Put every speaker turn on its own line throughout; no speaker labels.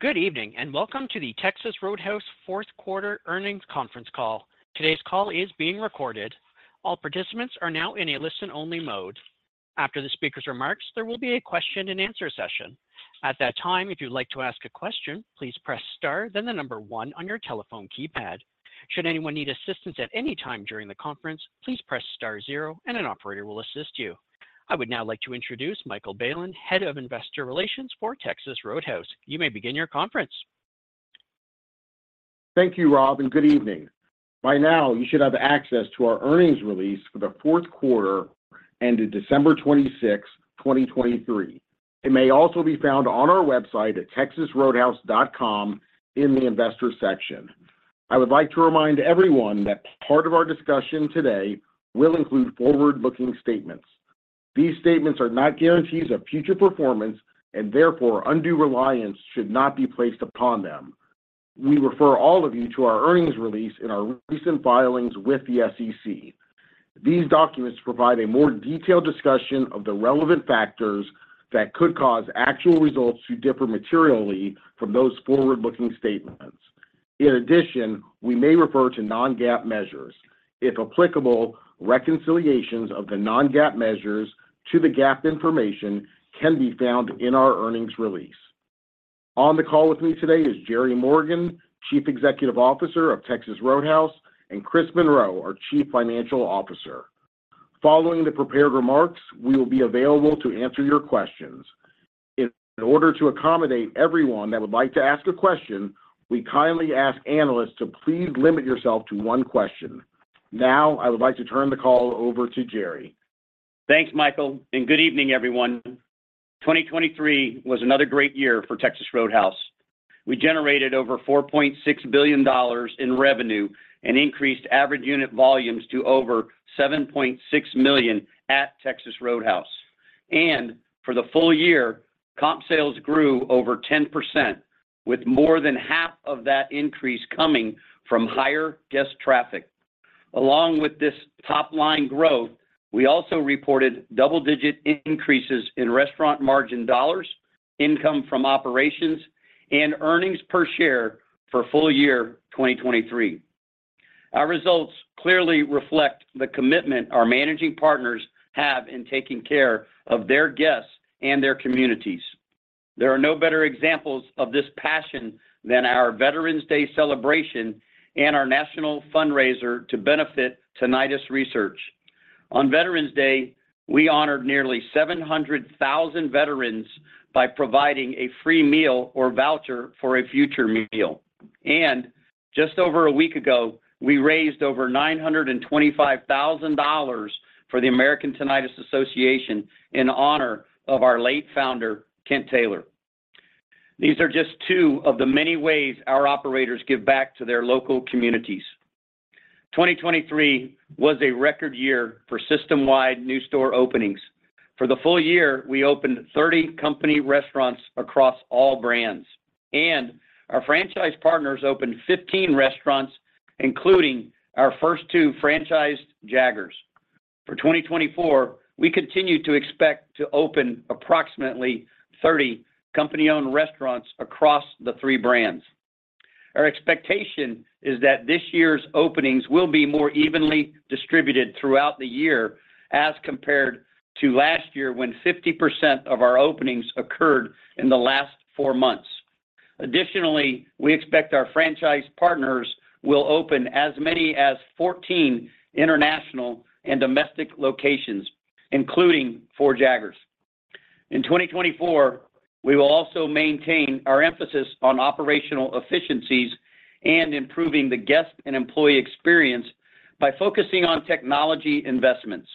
Good evening, and welcome to the Texas Roadhouse fourth quarter earnings conference call. Today's call is being recorded. All participants are now in a listen-only mode. After the speaker's remarks, there will be a question-and-answer session. At that time, if you'd like to ask a question, please press Star, then the number one on your telephone keypad. Should anyone need assistance at any time during the conference, please press Star zero and an operator will assist you. I would now like to introduce Michael Bailen, Head of Investor Relations for Texas Roadhouse. You may begin your conference.
Thank you, Rob, and good evening. By now, you should have access to our earnings release for the fourth quarter ended December 26, 2023. It may also be found on our website at texasroadhouse.com in the Investor section. I would like to remind everyone that part of our discussion today will include forward-looking statements. These statements are not guarantees of future performance, and therefore, undue reliance should not be placed upon them. We refer all of you to our earnings release in our recent filings with the SEC. These documents provide a more detailed discussion of the relevant factors that could cause actual results to differ materially from those forward-looking statements. In addition, we may refer to non-GAAP measures. If applicable, reconciliations of the non-GAAP measures to the GAAP information can be found in our earnings release. On the call with me today is Jerry Morgan, Chief Executive Officer of Texas Roadhouse, and Chris Monroe, our Chief Financial Officer. Following the prepared remarks, we will be available to answer your questions. In order to accommodate everyone that would like to ask a question, we kindly ask analysts to please limit yourself to one question. Now, I would like to turn the call over to Jerry.
Thanks, Michael, and good evening, everyone. 2023 was another great year for Texas Roadhouse. We generated over $4.6 billion in revenue and increased average unit volumes to over 7.6 million at Texas Roadhouse. And for the full year, comp sales grew over 10%, with more than half of that increase coming from higher guest traffic. Along with this top-line growth, we also reported double-digit increases in restaurant margin dollars, income from operations, and earnings per share for full year 2023. Our results clearly reflect the commitment our managing partners have in taking care of their guests and their communities. There are no better examples of this passion than our Veterans Day celebration and our national fundraiser to benefit tinnitus research. On Veterans Day, we honored nearly 700,000 veterans by providing a free meal or voucher for a future meal. Just over a week ago, we raised over $925,000 for the American Tinnitus Association in honor of our late founder, Kent Taylor. These are just two of the many ways our operators give back to their local communities. 2023 was a record year for system-wide new store openings. For the full year, we opened 30 company restaurants across all brands, and our franchise partners opened 15 restaurants, including our first two franchised Jaggers. For 2024, we continue to expect to open approximately 30 company-owned restaurants across the three brands. Our expectation is that this year's openings will be more evenly distributed throughout the year as compared to last year, when 50% of our openings occurred in the last four months. Additionally, we expect our franchise partners will open as many as 14 international and domestic locations, including four Jaggers. In 2024, we will also maintain our emphasis on operational efficiencies and improving the guest and employee experience by focusing on technology investments.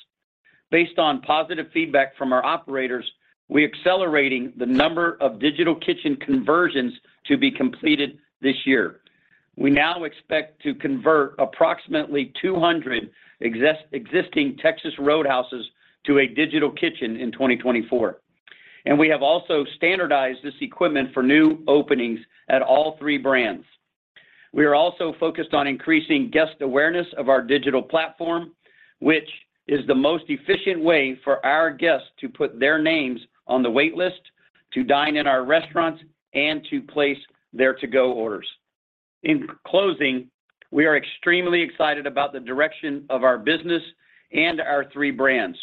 Based on positive feedback from our operators, we're accelerating the number of digital kitchen conversions to be completed this year. We now expect to convert approximately 200 existing Texas Roadhouses to a digital kitchen in 2024, and we have also standardized this equipment for new openings at all three brands. We are also focused on increasing guest awareness of our digital platform, which is the most efficient way for our guests to put their names on the wait list, to dine in our restaurants, and to place their to-go orders. In closing, we are extremely excited about the direction of our business and our three brands.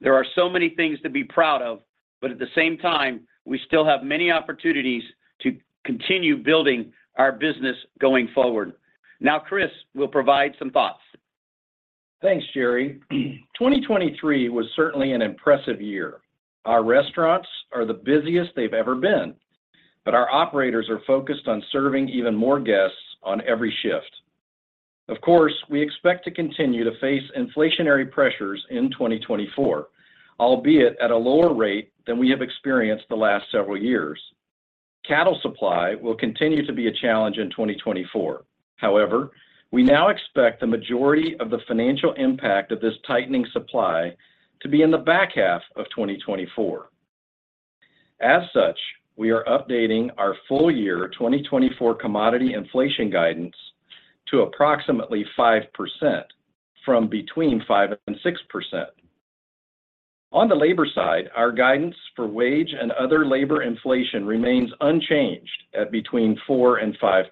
There are so many things to be proud of, but at the same time, we still have many opportunities to continue building our business going forward. Now, Chris will provide some thoughts.
Thanks, Jerry. 2023 was certainly an impressive year. Our restaurants are the busiest they've ever been, but our operators are focused on serving even more guests on every shift. Of course, we expect to continue to face inflationary pressures in 2024, albeit at a lower rate than we have experienced the last several years. Cattle supply will continue to be a challenge in 2024. However, we now expect the majority of the financial impact of this tightening supply to be in the back half of 2024. As such, we are updating our full year 2024 commodity inflation guidance to approximately 5% from between 5% and 6%. On the labor side, our guidance for wage and other labor inflation remains unchanged at between 4% and 5%.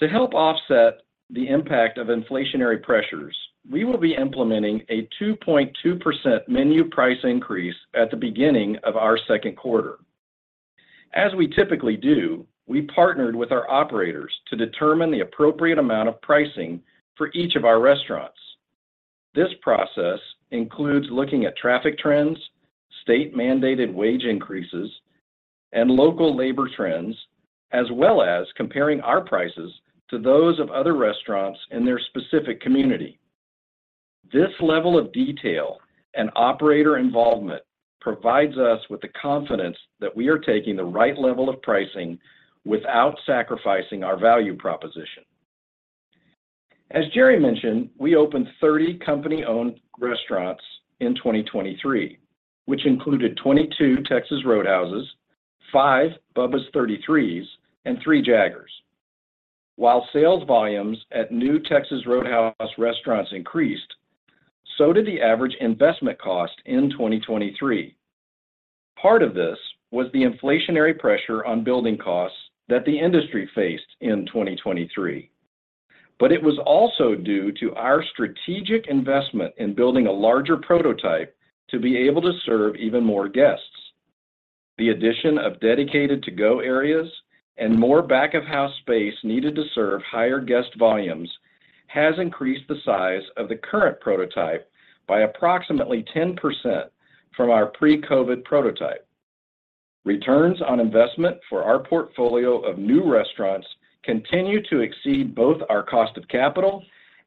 To help offset the impact of inflationary pressures, we will be implementing a 2.2% menu price increase at the beginning of our second quarter. As we typically do, we partnered with our operators to determine the appropriate amount of pricing for each of our restaurants. This process includes looking at traffic trends, state mandated wage increases, and local labor trends, as well as comparing our prices to those of other restaurants in their specific community. This level of detail and operator involvement provides us with the confidence that we are taking the right level of pricing without sacrificing our value proposition. As Jerry mentioned, we opened 30 company-owned restaurants in 2023, which included 22 Texas Roadhouses, five Bubba's 33s, and three Jaggers. While sales volumes at new Texas Roadhouse restaurants increased, so did the average investment cost in 2023. Part of this was the inflationary pressure on building costs that the industry faced in 2023, but it was also due to our strategic investment in building a larger prototype to be able to serve even more guests. The addition of dedicated to-go areas and more back-of-house space needed to serve higher guest volumes has increased the size of the current prototype by approximately 10% from our pre-COVID prototype. Returns on investment for our portfolio of new restaurants continue to exceed both our cost of capital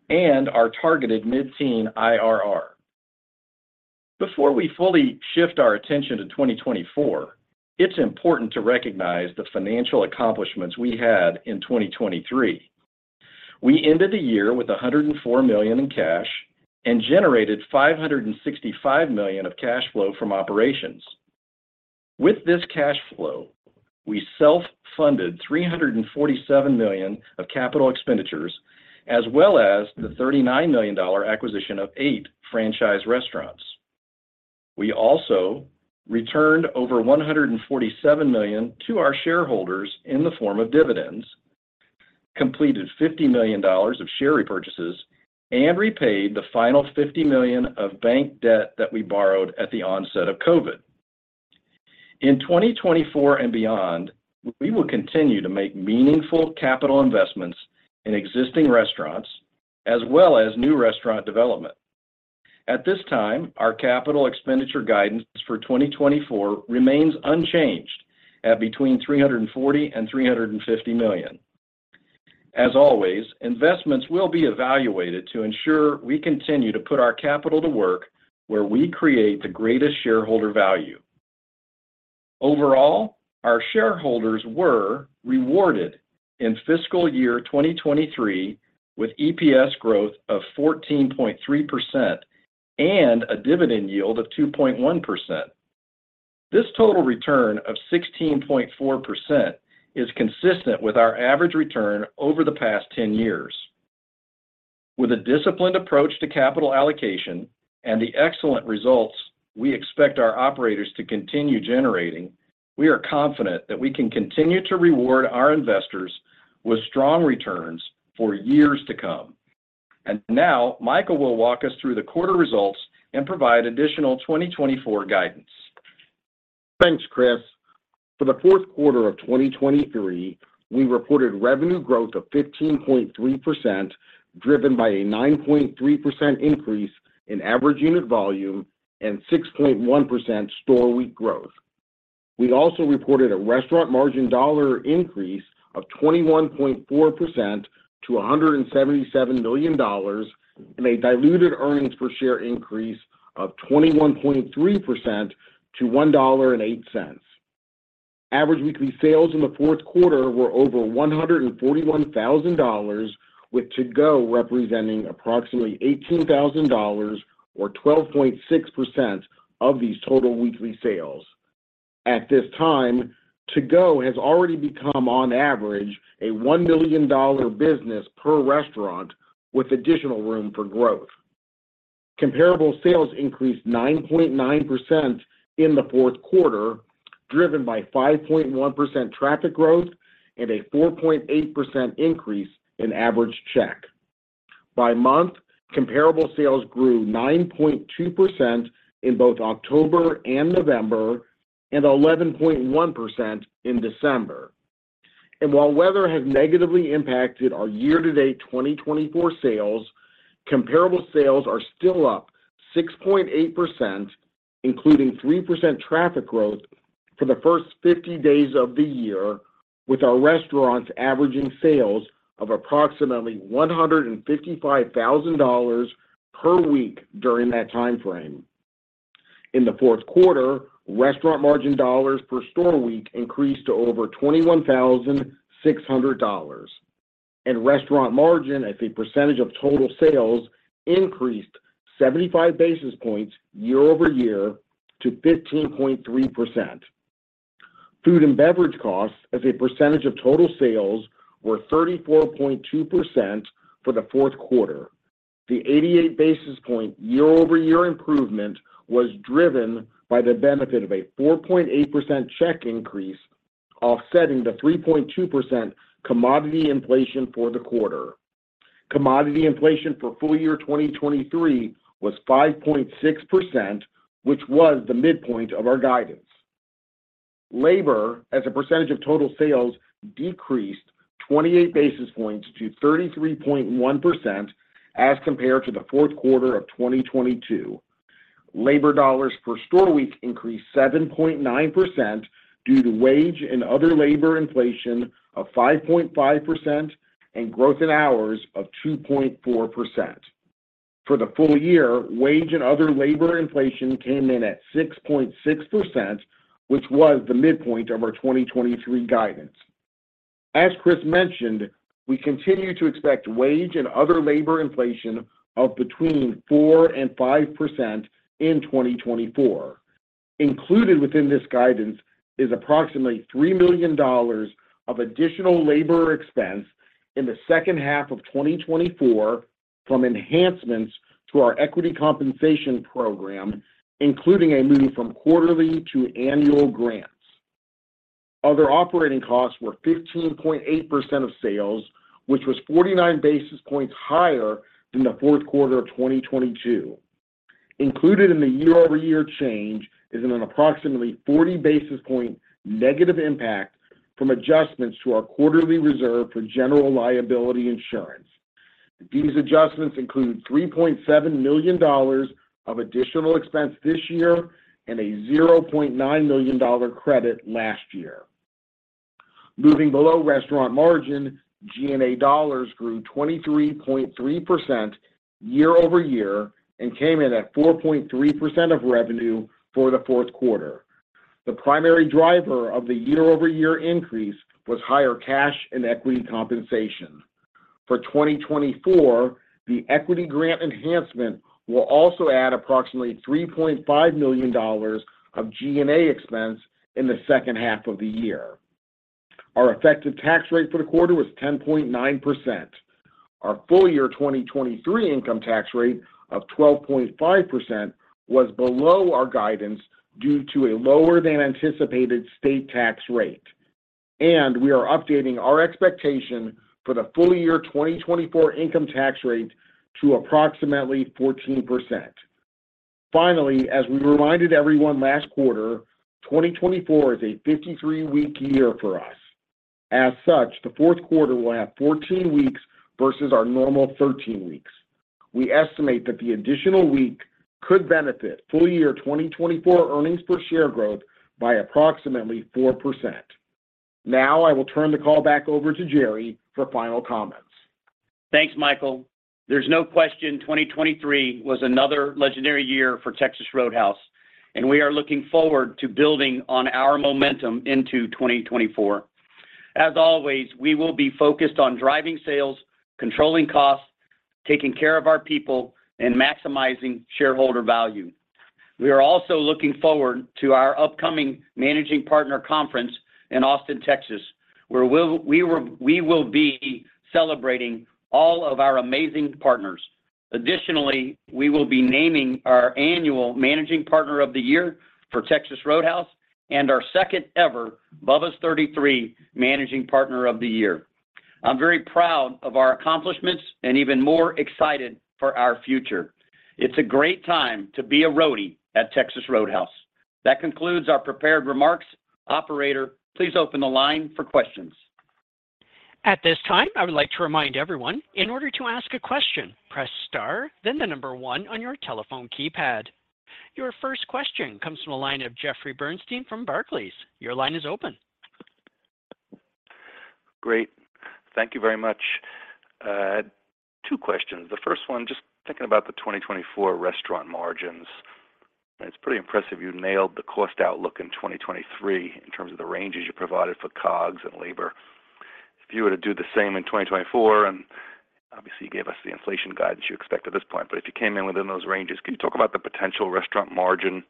and our targeted mid-teen IRR. Before we fully shift our attention to 2024, it's important to recognize the financial accomplishments we had in 2023. We ended the year with $104 million in cash and generated $565 million of cash flow from operations. With this cash flow, we self-funded $347 million of capital expenditures, as well as the $39 million acquisition of eight franchise restaurants. We also returned over $147 million to our shareholders in the form of dividends, completed $50 million of share repurchases, and repaid the final $50 million of bank debt that we borrowed at the onset of COVID. In 2024 and beyond, we will continue to make meaningful capital investments in existing restaurants as well as new restaurant development. At this time, our capital expenditure guidance for 2024 remains unchanged at between $340 million and $350 million. As always, investments will be evaluated to ensure we continue to put our capital to work where we create the greatest shareholder value. Overall, our shareholders were rewarded in fiscal year 2023 with EPS growth of 14.3% and a dividend yield of 2.1%. This total return of 16.4% is consistent with our average return over the past 10 years. With a disciplined approach to capital allocation and the excellent results we expect our operators to continue generating, we are confident that we can continue to reward our investors with strong returns for years to come. And now Michael will walk us through the quarter results and provide additional 2024 guidance.
Thanks, Chris. For the fourth quarter of 2023, we reported revenue growth of 15.3%, driven by a 9.3% increase in average unit volume and 6.1% store week growth. We also reported a restaurant margin dollar increase of 21.4% to $177 million and a diluted earnings per share increase of 21.3% to $1.08. Average weekly sales in the fourth quarter were over $141,000, with to-go representing approximately $18,000 or 12.6% of these total weekly sales. At this time, to-go has already become, on average, a $1 million business per restaurant, with additional room for growth. Comparable sales increased 9.9% in the fourth quarter, driven by 5.1% traffic growth and a 4.8% increase in average check. By month, comparable sales grew 9.2% in both October and November and 11.1% in December. And while weather has negatively impacted our year-to-date 2024 sales, comparable sales are still up 6.8%, including 3% traffic growth for the first 50 days of the year, with our restaurants averaging sales of approximately $155,000 per week during that time frame. In the fourth quarter, restaurant margin dollars per store week increased to over $21,600, and restaurant margin as a percentage of total sales increased 75 basis points year-over-year to 15.3%. Food and beverage costs as a percentage of total sales were 34.2% for the fourth quarter. The 88 basis point year-over-year improvement was driven by the benefit of a 4.8% check increase, offsetting the 3.2% commodity inflation for the quarter. Commodity inflation for full year 2023 was 5.6%, which was the midpoint of our guidance. Labor, as a percentage of total sales, decreased 28 basis points to 33.1% as compared to the fourth quarter of 2022. Labor dollars per store week increased 7.9% due to wage and other labor inflation of 5.5% and growth in hours of 2.4%. For the full year, wage and other labor inflation came in at 6.6%, which was the midpoint of our 2023 guidance. As Chris mentioned, we continue to expect wage and other labor inflation of between 4% and 5% in 2024. Included within this guidance is approximately $3 million of additional labor expense in the second half of 2024 from enhancements to our equity compensation program, including a move from quarterly to annual grants. Other operating costs were 15.8% of sales, which was 49 basis points higher than the fourth quarter of 2022. Included in the year-over-year change is an approximately 40 basis point negative impact from adjustments to our quarterly reserve for general liability insurance. These adjustments include $3.7 million of additional expense this year and a $0.9 million credit last year. Moving below restaurant margin, G&A dollars grew 23.3% year-over-year and came in at 4.3% of revenue for the fourth quarter. The primary driver of the year-over-year increase was higher cash and equity compensation. For 2024, the equity grant enhancement will also add approximately $3.5 million of G&A expense in the second half of the year. Our effective tax rate for the quarter was 10.9%. Our full year 2023 income tax rate of 12.5% was below our guidance due to a lower than anticipated state tax rate, and we are updating our expectation for the full year 2024 income tax rate to approximately 14%. Finally, as we reminded everyone last quarter, 2024 is a 53-week year for us. As such, the fourth quarter will have 14 weeks versus our normal 13 weeks. We estimate that the additional week could benefit full year 2024 earnings per share growth by approximately 4%. Now, I will turn the call back over to Jerry for final comments.
Thanks, Michael. There's no question 2023 was another legendary year for Texas Roadhouse, and we are looking forward to building on our momentum into 2024. As always, we will be focused on driving sales, controlling costs, taking care of our people, and maximizing shareholder value. We are also looking forward to our upcoming Managing Partner conference in Austin, Texas, where we will be celebrating all of our amazing partners. Additionally, we will be naming our annual Managing Partner of the Year for Texas Roadhouse and our second ever Bubba's 33 Managing Partner of the Year. I'm very proud of our accomplishments and even more excited for our future. It's a great time to be a Roadie at Texas Roadhouse. That concludes our prepared remarks. Operator, please open the line for questions.
At this time, I would like to remind everyone, in order to ask a question, press star, then the number one on your telephone keypad. Your first question comes from the line of Jeffrey Bernstein from Barclays. Your line is open.
Great. Thank you very much. Two questions. The first one, just thinking about the 2024 restaurant margins, it's pretty impressive you nailed the cost outlook in 2023 in terms of the ranges you provided for COGS and labor. If you were to do the same in 2024, and obviously, you gave us the inflation guidance you expect at this point, but if you came in within those ranges, can you talk about the potential restaurant margin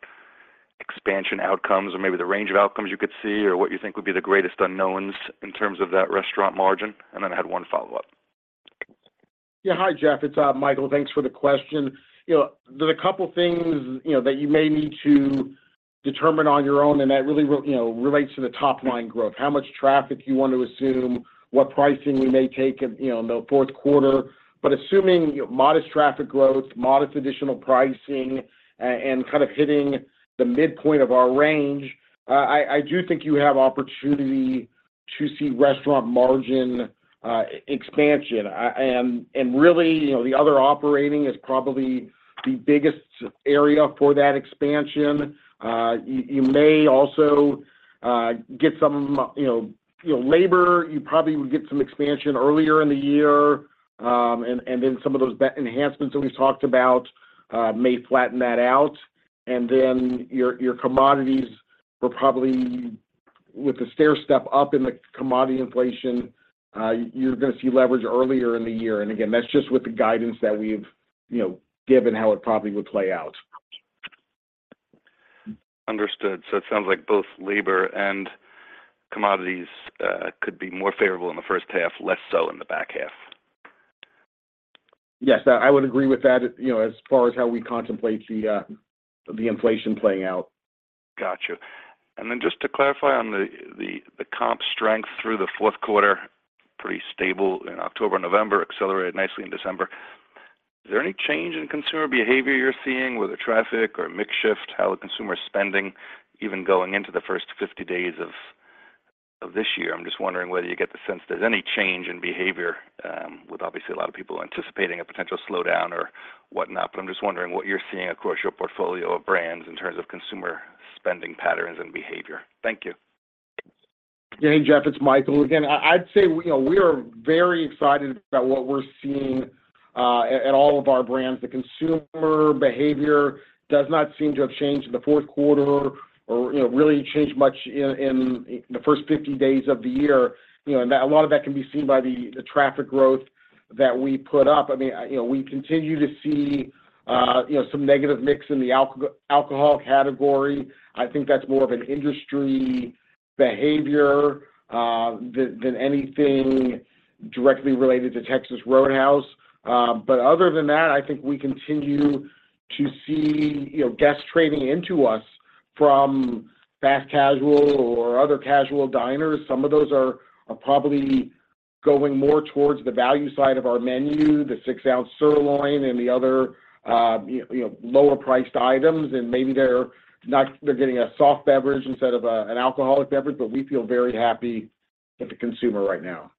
expansion outcomes or maybe the range of outcomes you could see, or what you think would be the greatest unknowns in terms of that restaurant margin? And then I had one follow-up.
Yeah. Hi, Jeff. It's Michael. Thanks for the question. You know, there's a couple things, you know, that you may need to determine on your own, and that really will, you know, relates to the top-line growth, how much traffic you want to assume, what pricing we may take in, you know, the fourth quarter. But assuming modest traffic growth, modest additional pricing, and kind of hitting the midpoint of our range, I do think you have opportunity to see restaurant margin expansion. And really, you know, the other operating is probably the biggest area for that expansion. You may also get some, you know, you know, labor, you probably would get some expansion earlier in the year, and then some of those enhancements that we talked about may flatten that out. And then your commodities will probably, with the stairstep up in the commodity inflation, you're going to see leverage earlier in the year. And again, that's just with the guidance that we've you know, given how it probably would play out.
Understood. So it sounds like both labor and commodities could be more favorable in the first half, less so in the back half?
Yes, I would agree with that, you know, as far as how we contemplate the inflation playing out.
Got you. Then just to clarify on the comp strength through the fourth quarter, pretty stable in October and November, accelerated nicely in December. Is there any change in consumer behavior you're seeing, whether traffic or mix shift, how the consumer is spending, even going into the first 50 days of this year? I'm just wondering whether you get the sense there's any change in behavior, with obviously a lot of people anticipating a potential slowdown or whatnot. But I'm just wondering what you're seeing across your portfolio of brands in terms of consumer spending patterns and behavior. Thank you.
Yeah, Jeff, it's Michael again. I'd say, you know, we are very excited about what we're seeing at all of our brands. The consumer behavior does not seem to have changed in the fourth quarter or, you know, really changed much in the first 50 days of the year. You know, and a lot of that can be seen by the traffic growth that we put up. I mean, you know, we continue to see some negative mix in the alcohol category. I think that's more of an industry behavior than anything directly related to Texas Roadhouse. But other than that, I think we continue to see, you know, guests trading into us from fast casual or other casual diners. Some of those are probably going more towards the value side of our menu, the 6-ounce sirloin and the other, you know, lower-priced items. And maybe they're not—they're getting a soft beverage instead of an alcoholic beverage, but we feel very happy with the consumer right now.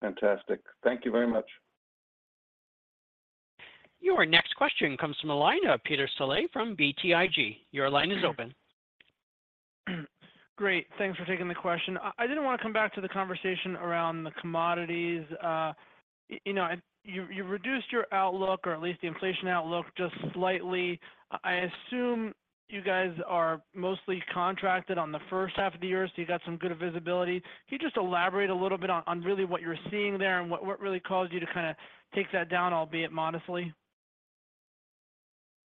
Fantastic. Thank you very much.
Your next question comes from the line of Peter Saleh from BTIG. Your line is open.
Great, thanks for taking the question. I did want to come back to the conversation around the commodities. You know, and you reduced your outlook, or at least the inflation outlook, just slightly. I assume you guys are mostly contracted on the first half of the year, so you got some good visibility. Can you just elaborate a little bit on really what you're seeing there and what really caused you to kind of take that down, albeit modestly?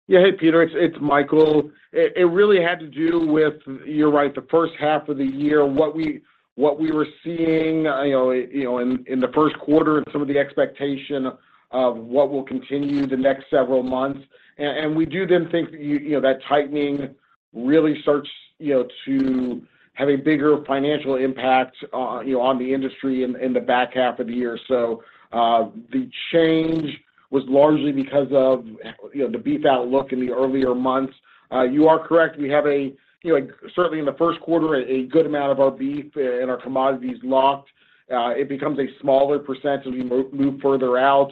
Yeah. Hey, Peter, it's Michael. It really had to do with, you're right, the first half of the year, what we were seeing, you know, in the first quarter and some of the expectation of what will continue the next several months. And we do then think, you know, that tightening really starts, you know, to have a bigger financial impact, you know, on the industry in the back half of the year. So, the change was largely because of, you know, the beef outlook in the earlier months. You are correct, we have, you know, certainly in the first quarter, a good amount of our beef and our commodities locked. It becomes a smaller percent as you move further out.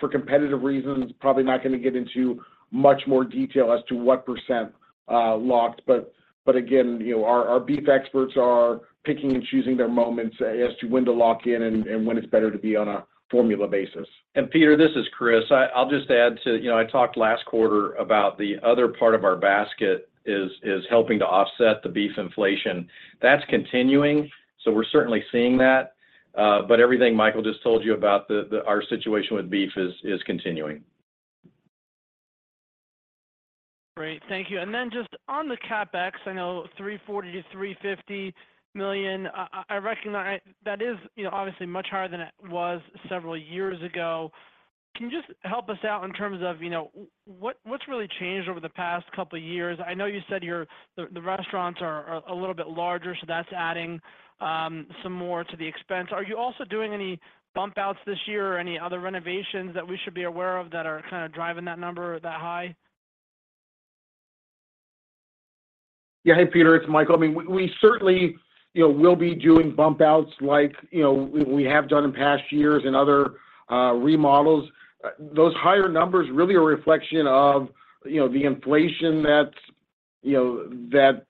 For competitive reasons, probably not going to get into much more detail as to what percent locked. But again, you know, our beef experts are picking and choosing their moments as to when to lock in and when it's better to be on a formula basis.
Peter, this is Chris. I'll just add to... You know, I talked last quarter about the other part of our basket is helping to offset the beef inflation. That's continuing, so we're certainly seeing that. But everything Michael just told you about our situation with beef is continuing.
Great. Thank you. And then just on the CapEx, I know $340 million-$350 million. I recognize that is, you know, obviously much higher than it was several years ago. Can you just help us out in terms of, you know, what, what's really changed over the past couple of years? I know you said the restaurants are a little bit larger, so that's adding some more to the expense. Are you also doing any bump outs this year or any other renovations that we should be aware of that are kind of driving that number that high?
Yeah. Hey, Peter, it's Michael. I mean, we certainly, you know, will be doing bump outs like, you know, we have done in past years and other remodels. Those higher numbers really are a reflection of, you know, the inflation that, you know, that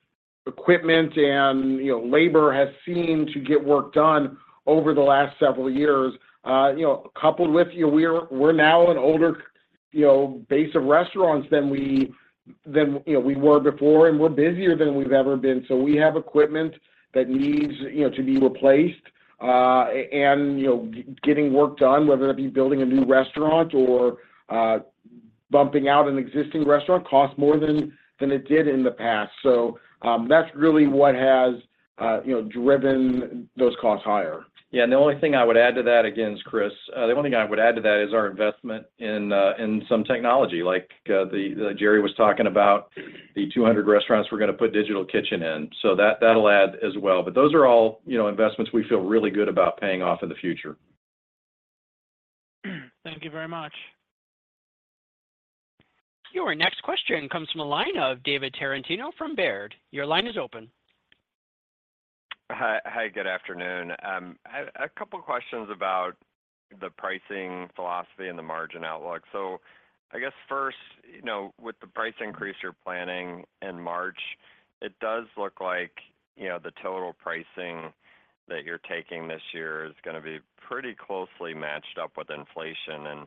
equipment and, you know, labor has seen to get work done over the last several years. You know, coupled with, you know, we're now an older, you know, base of restaurants than we were before, and we're busier than we've ever been. So we have equipment that needs, you know, to be replaced. And, you know, getting work done, whether that be building a new restaurant or bumping out an existing restaurant, costs more than it did in the past. So, that's really what has, you know, driven those costs higher.
Yeah, and the only thing I would add to that, again, is Chris. The only thing I would add to that is our investment in some technology, like that Jerry was talking about, the 200 restaurants we're going to put digital kitchen in. So that, that'll add as well. But those are all, you know, investments we feel really good about paying off in the future.
Thank you very much.
Your next question comes from the line of David Tarantino from Baird. Your line is open.
Hi. Hi, good afternoon. A couple questions about the pricing philosophy and the margin outlook. So I guess first, you know, with the price increase you're planning in March, it does look like, you know, the total pricing that you're taking this year is gonna be pretty closely matched up with inflation.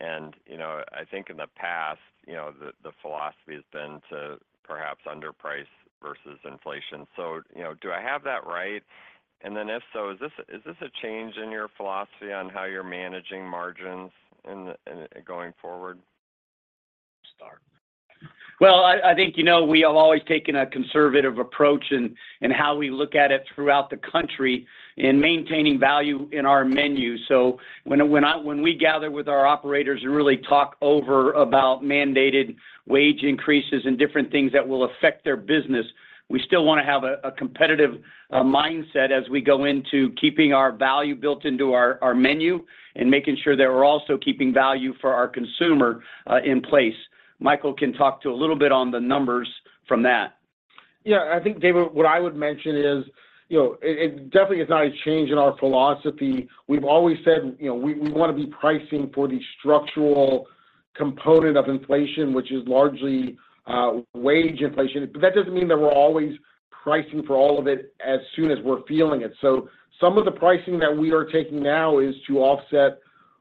And, you know, I think in the past, you know, the philosophy has been to perhaps underprice versus inflation. So, you know, do I have that right?... And then if so, is this, is this a change in your philosophy on how you're managing margins in, in going forward?
Well, I think, you know, we have always taken a conservative approach in how we look at it throughout the country in maintaining value in our menu. So when we gather with our operators and really talk over about mandated wage increases and different things that will affect their business, we still wanna have a competitive mindset as we go into keeping our value built into our menu and making sure that we're also keeping value for our consumer in place. Michael can talk to a little bit on the numbers from that.
Yeah, I think, David, what I would mention is, you know, it, it definitely is not a change in our philosophy. We've always said, you know, we, we wanna be pricing for the structural component of inflation, which is largely, wage inflation. But that doesn't mean that we're always pricing for all of it as soon as we're feeling it. So some of the pricing that we are taking now is to offset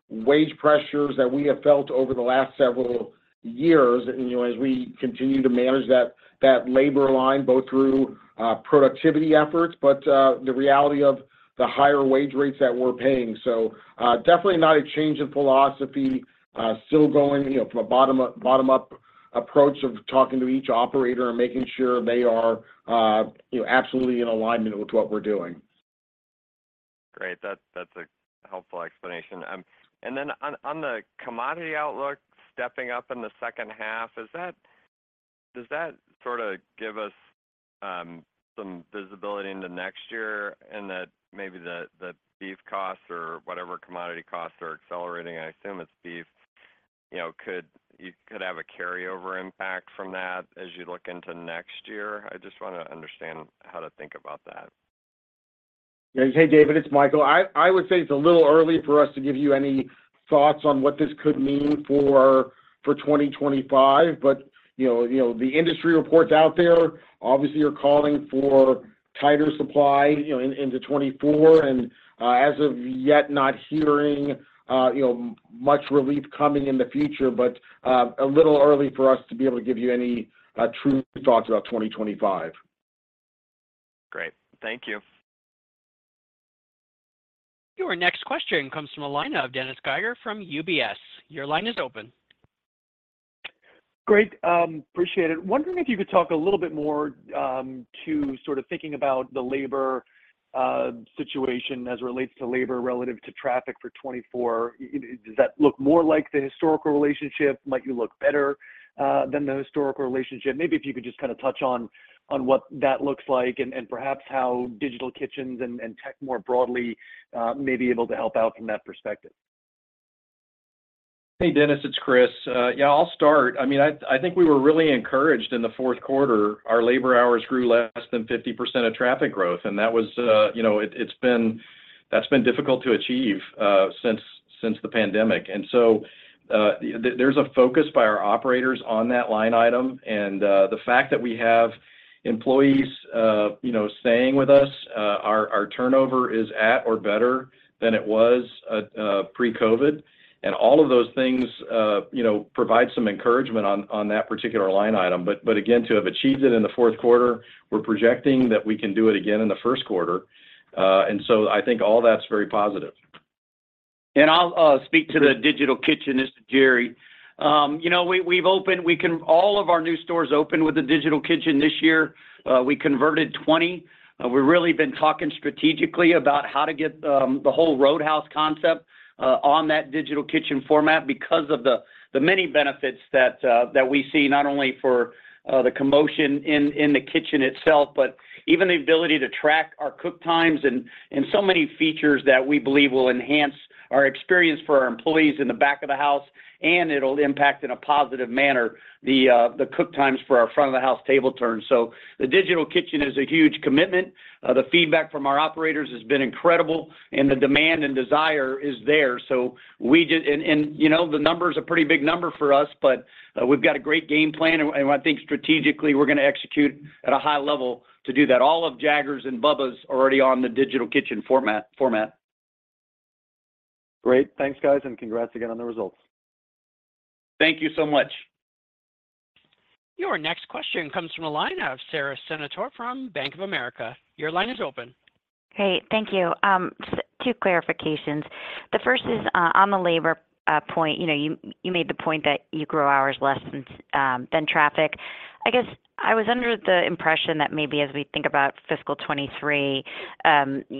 wage pressures that we have felt over the last several years, you know, as we continue to manage that, that labor line, both through, productivity efforts, but, the reality of the higher wage rates that we're paying. Definitely not a change in philosophy, still going, you know, from a bottom up, bottom up approach of talking to each operator and making sure they are, you know, absolutely in alignment with what we're doing.
Great. That's, that's a helpful explanation. And then on, on the commodity outlook, stepping up in the second half, is that, does that sort of give us some visibility into next year in that maybe the, the beef costs or whatever commodity costs are accelerating? I assume it's beef. You know, could you, could have a carryover impact from that as you look into next year? I just wanna understand how to think about that.
Yeah. Hey, David, it's Michael. I would say it's a little early for us to give you any thoughts on what this could mean for 2025, but, you know, the industry reports out there obviously are calling for tighter supply, you know, into 2024, and, as of yet, not hearing, you know, much relief coming in the future, but, a little early for us to be able to give you any true thoughts about 2025.
Great. Thank you.
Your next question comes from the line of Dennis Geiger from UBS. Your line is open.
Great, appreciate it. Wondering if you could talk a little bit more, to sort of thinking about the labor situation as it relates to labor relative to traffic for 2024. Does that look more like the historical relationship? Might you look better than the historical relationship? Maybe if you could just kinda touch on, on what that looks like and, and perhaps how digital kitchens and tech more broadly may be able to help out from that perspective.
Hey, Dennis, it's Chris. Yeah, I'll start. I mean, I think we were really encouraged in the fourth quarter. Our labor hours grew less than 50% of traffic growth, and that was, you know, that's been difficult to achieve since the pandemic. And so, there's a focus by our operators on that line item. And, the fact that we have employees, you know, staying with us, our turnover is at or better than it was, pre-COVID. And all of those things, you know, provide some encouragement on that particular line item. But again, to have achieved it in the fourth quarter, we're projecting that we can do it again in the first quarter. And so I think all that's very positive.
And I'll speak to the digital kitchen. This is Jerry. You know, we've opened all of our new stores with a digital kitchen this year. We converted 20. We've really been talking strategically about how to get the whole Roadhouse concept on that digital kitchen format because of the many benefits that we see not only for the commotion in the kitchen itself, but even the ability to track our cook times and so many features that we believe will enhance our experience for our employees in the back of the house, and it'll impact in a positive manner the cook times for our front of the house table turns. So the digital kitchen is a huge commitment. The feedback from our operators has been incredible, and the demand and desire is there. So we just and, you know, the number is a pretty big number for us, but we've got a great game plan, and I think strategically, we're gonna execute at a high level to do that. All of Jaggers and Bubba's are already on the digital kitchen format.
Great. Thanks, guys, and congrats again on the results.
Thank you so much.
Your next question comes from the line of Sara Senatore from Bank of America. Your line is open.
Hey, thank you. Two clarifications. The first is on the labor point. You know, you made the point that you grew hours less than traffic. I guess I was under the impression that maybe as we think about fiscal 2023,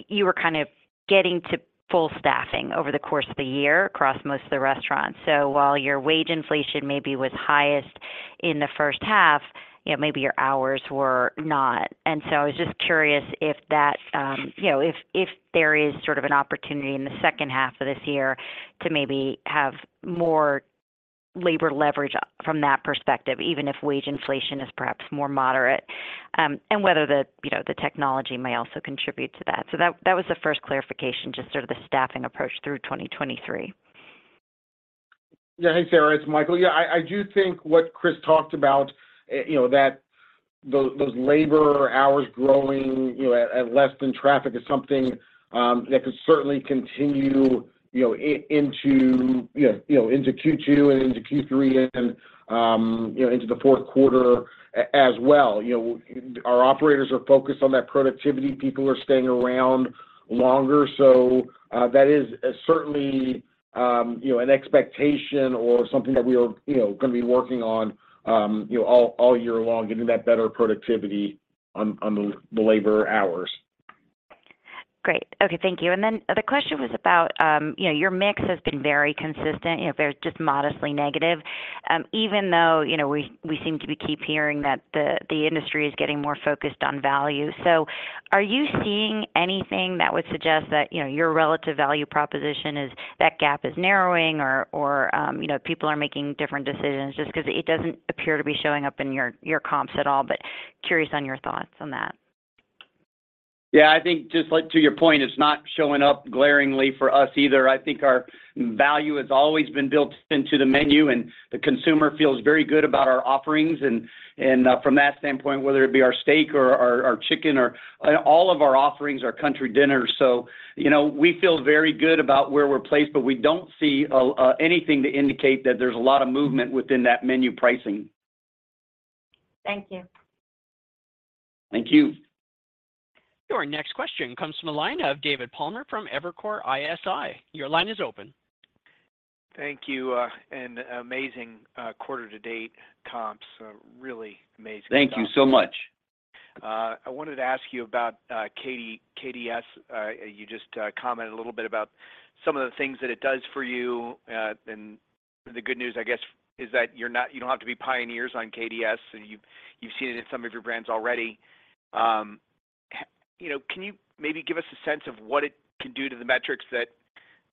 you were kind of getting to full staffing over the course of the year across most of the restaurants. So while your wage inflation maybe was highest in the first half, you know, maybe your hours were not. And so I was just curious if that, you know, if there is sort of an opportunity in the second half of this year to maybe have more labor leverage from that perspective, even if wage inflation is perhaps more moderate, and whether the technology may also contribute to that. So that was the first clarification, just sort of the staffing approach through 2023.
Yeah. Hey, Sarah, it's Michael. Yeah, I do think what Chris talked about, you know, those labor hours growing, you know, at less than traffic is something that could certainly continue, you know, into Q2 and into Q3, and, you know, into the fourth quarter as well. You know, our operators are focused on that productivity. People are staying around longer, so that is certainly, you know, an expectation or something that we are, you know, gonna be working on, you know, all year long, getting that better productivity on the labor hours.
Great. Okay, thank you. And then the question was about, you know, your mix has been very consistent, you know, there's just modestly negative. Even though, you know, we seem to be keep hearing that the industry is getting more focused on value. So are you seeing anything that would suggest that, you know, your relative value proposition is that gap is narrowing or, or, you know, people are making different decisions just 'cause it doesn't appear to be showing up in your, your comps at all, but curious on your thoughts on that?
Yeah, I think just like to your point, it's not showing up glaringly for us either. I think our value has always been built into the menu, and the consumer feels very good about our offerings, and from that standpoint, whether it be our steak or our chicken or all of our offerings are country dinners, so you know, we feel very good about where we're placed, but we don't see anything to indicate that there's a lot of movement within that menu pricing.
Thank you.
Thank you.
Your next question comes from the line of David Palmer from Evercore ISI. Your line is open.
Thank you, and amazing quarter-to-date comps, really amazing.
Thank you so much.
I wanted to ask you about KDS. You just commented a little bit about some of the things that it does for you, and the good news, I guess, is that you're not—you don't have to be pioneers on KDS, and you've seen it in some of your brands already. You know, can you maybe give us a sense of what it can do to the metrics that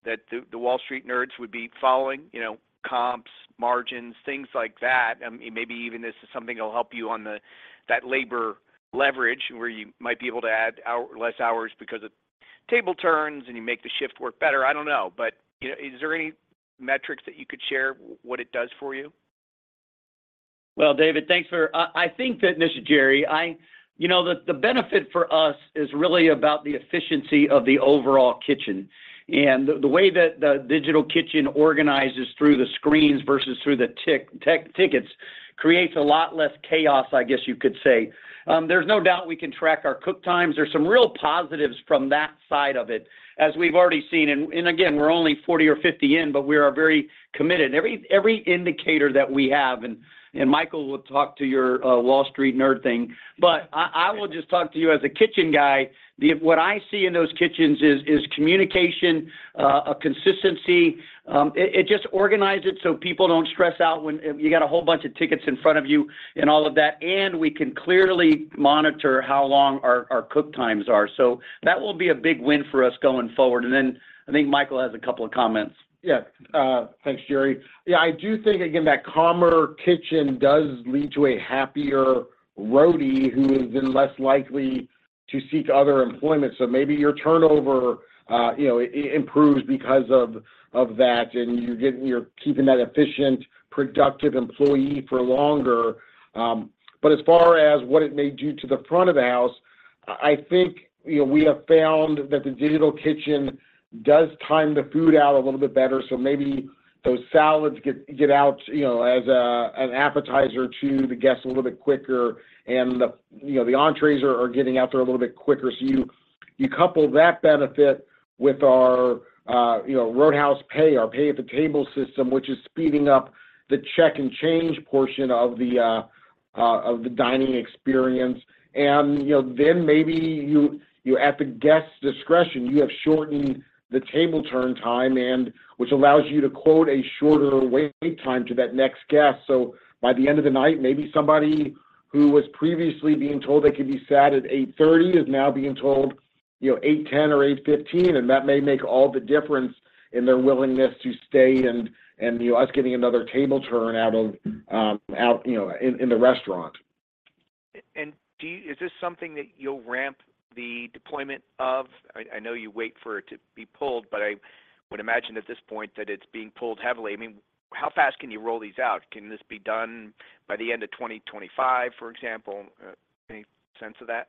the Wall Street nerds would be following? You know, comps, margins, things like that. Maybe even this is something that will help you on that labor leverage, where you might be able to add hour, less hours because of table turns, and you make the shift work better. I don't know, but, you know, is there any metrics that you could share what it does for you?
Well, David, thanks for... I think that, and this is Jerry. You know, the benefit for us is really about the efficiency of the overall kitchen, and the way that the digital kitchen organizes through the screens versus through the tickets creates a lot less chaos, I guess you could say. There's no doubt we can track our cook times. There's some real positives from that side of it, as we've already seen, and again, we're only 40 or 50 in, but we are very committed. Every indicator that we have, and Michael will talk to your Wall Street nerd thing, but I will just talk to you as a kitchen guy. What I see in those kitchens is communication, a consistency. It just organizes it so people don't stress out when you got a whole bunch of tickets in front of you and all of that, and we can clearly monitor how long our cook times are. So that will be a big win for us going forward. And then I think Michael has a couple of comments.
Yeah. Thanks, Jerry. Yeah, I do think, again, that calmer kitchen does lead to a happier Roadie, who is then less likely to seek other employment. So maybe your turnover improves because of that, and you're getting... You're keeping that efficient, productive employee for longer. But as far as what it may do to the front of the house, I think, you know, we have found that the digital kitchen does time the food out a little bit better. So maybe those salads get out, you know, as an appetizer to the guest a little bit quicker, and, you know, the entrees are getting out there a little bit quicker. So you couple that benefit with our, you know, Roadhouse Pay, our pay at the table system, which is speeding up the check and change portion of the dining experience. And, you know, then maybe you at the guest's discretion, you have shortened the table turn time and which allows you to quote a shorter wait time to that next guest. So by the end of the night, maybe somebody who was previously being told they could be sat at 8:30 P.M. is now being told, you know, 8:10 P.M. or 8:15 P.M., and that may make all the difference in their willingness to stay and, you know, us getting another table turn out of, you know, in the restaurant.
And do you? Is this something that you'll ramp the deployment of? I know you wait for it to be pulled, but I would imagine at this point that it's being pulled heavily. I mean, how fast can you roll these out? Can this be done by the end of 2025, for example? Any sense of that?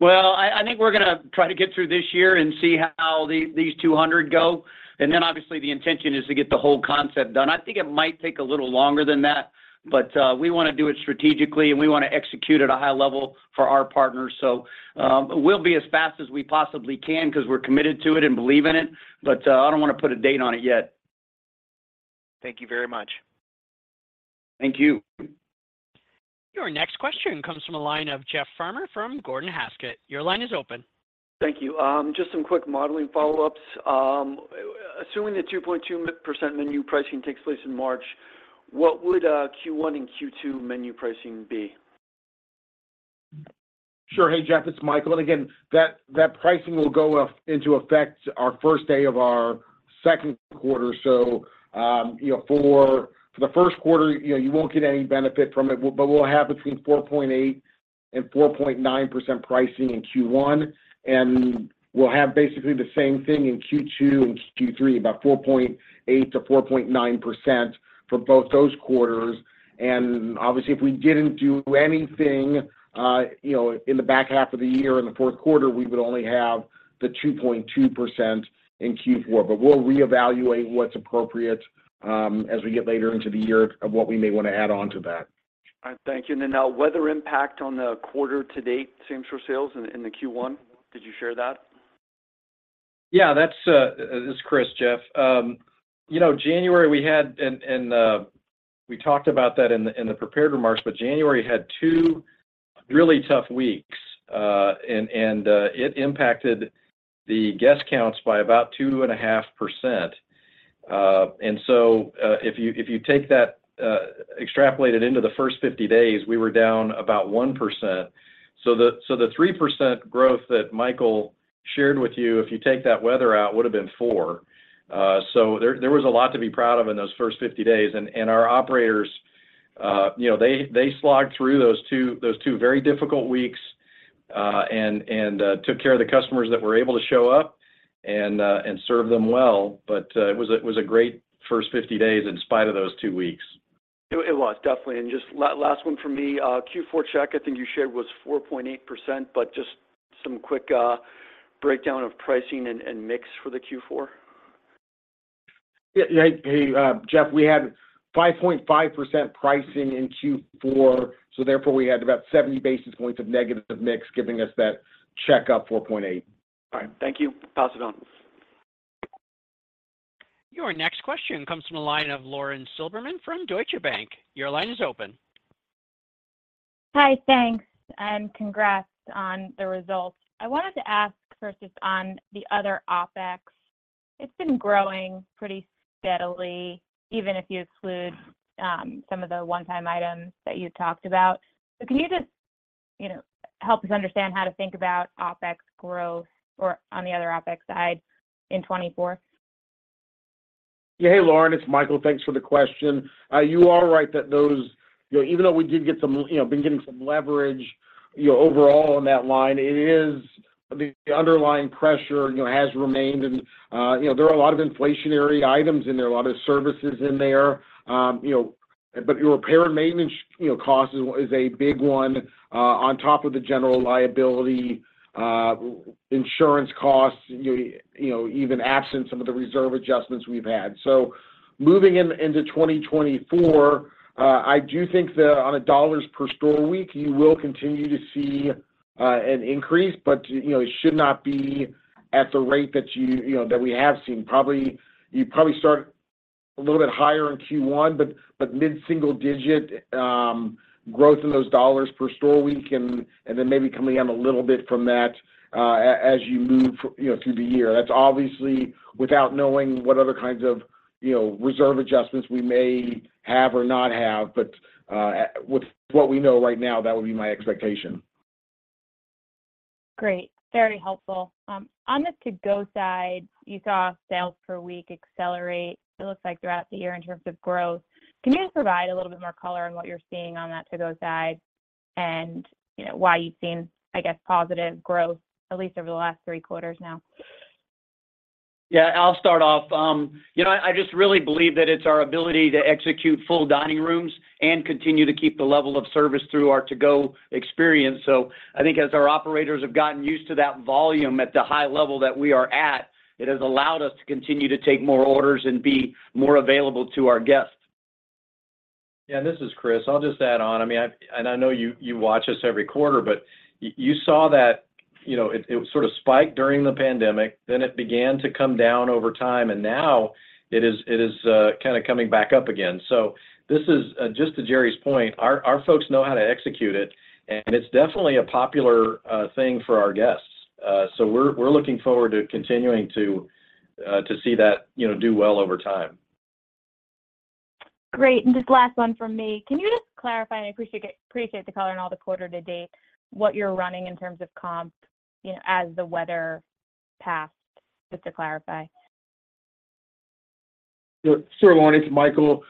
Well, I think we're gonna try to get through this year and see how these 200 go, and then obviously the intention is to get the whole concept done. I think it might take a little longer than that, but we wanna do it strategically, and we wanna execute at a high level for our partners. So, we'll be as fast as we possibly can 'cause we're committed to it and believe in it, but I don't wanna put a date on it yet.
Thank you very much.
Thank you.
Your next question comes from the line of Jeff Farmer from Gordon Haskett. Your line is open.
Thank you. Just some quick modeling follow-ups. Assuming the 2.2% menu pricing takes place in March, what would Q1 and Q2 menu pricing be?
Sure. Hey, Jeff, it's Michael, and again, that, that pricing will go into effect our first day of our second quarter. So, you know, for, for the first quarter, you know, you won't get any benefit from it, but, but we'll have between 4.8% and 4.9% pricing in Q1, and we'll have basically the same thing in Q2 and Q3, about 4.8%-4.9% for both those quarters. And obviously, if we didn't do anything, you know, in the back half of the year, in the fourth quarter, we would only have the 2.2% in Q4. But we'll reevaluate what's appropriate, as we get later into the year of what we may wanna add on to that.
All right. Thank you. And now, weather impact on the quarter to date, same store sales in the Q1. Did you share that?
Yeah, that's, this is Chris, Jeff. You know, January we had, and we talked about that in the prepared remarks, but January had two really tough weeks. And it impacted the guest counts by about 2.5%. And so, if you take that extrapolated into the first 50 days, we were down about 1%. So the 3% growth that Michael shared with you, if you take that weather out, would have been 4%. So there was a lot to be proud of in those first 50 days, and our operators, you know, they slogged through those two very difficult weeks, and took care of the customers that were able to show up and served them well. But, it was a great first 50 days in spite of those two weeks.
It was definitely. And just last one for me, Q4 check, I think you shared, was 4.8%, but just some quick breakdown of pricing and mix for the Q4.
Yeah, hey, Jeff, we had 5.5% pricing in Q4, so therefore, we had about 70 basis points of negative mix, giving us that check up 4.8.
All right. Thank you. Pass it on.
Your next question comes from the line of Lauren Silberman from Deutsche Bank. Your line is open.
Hi, thanks, and congrats on the results. I wanted to ask first, just on the other OpEx, it's been growing pretty steadily, even if you exclude some of the one-time items that you talked about. So can you just, you know, help us understand how to think about OpEx growth or on the other OpEx side in 2024?
Yeah. Hey, Lauren, it's Michael. Thanks for the question. You are right that those... You know, even though we did get some, you know, been getting some leverage, you know, overall on that line, it is the underlying pressure, you know, has remained. And you know, there are a lot of inflationary items in there, a lot of services in there. You know, but your repair and maintenance, you know, cost is, is a big one, on top of the general liability, insurance costs, you, you know, even absent some of the reserve adjustments we've had. So moving into 2024, I do think that on a dollars per store week, you will continue to see, an increase, but, you know, it should not be at the rate that you, you know, that we have seen. Probably, you'd probably start a little bit higher in Q1, but, but mid-single digit growth in those dollars per Store Week, and, and then maybe coming down a little bit from that, as you move, you know, through the year. That's obviously without knowing what other kinds of, you know, reserve adjustments we may have or not have, but, with what we know right now, that would be my expectation.
Great. Very helpful. On the to-go side, you saw sales per week accelerate, it looks like, throughout the year in terms of growth. Can you just provide a little bit more color on what you're seeing on that to-go side and, you know, why you've seen, I guess, positive growth, at least over the last three quarters now?
Yeah, I'll start off. You know, I just really believe that it's our ability to execute full dining rooms and continue to keep the level of service through our to-go experience. So I think as our operators have gotten used to that volume at the high level that we are at, it has allowed us to continue to take more orders and be more available to our guests.
Yeah, this is Chris. I'll just add on. I mean, I, and I know you, you watch us every quarter, but you, you saw that, you know, it, it sort of spiked during the pandemic, then it began to come down over time, and now it is, it is, kinda coming back up again. So this is, just to Jerry's point, our, our folks know how to execute it, and it's definitely a popular, thing for our guests. So we're looking forward to continuing to see that, you know, do well over time.
Great. Just last one from me. Can you just clarify, and I appreciate the, appreciate the color on all the quarter to date, what you're running in terms of comp, you know, as the weather passed, just to clarify?
Sure, Lauren, it's Michael.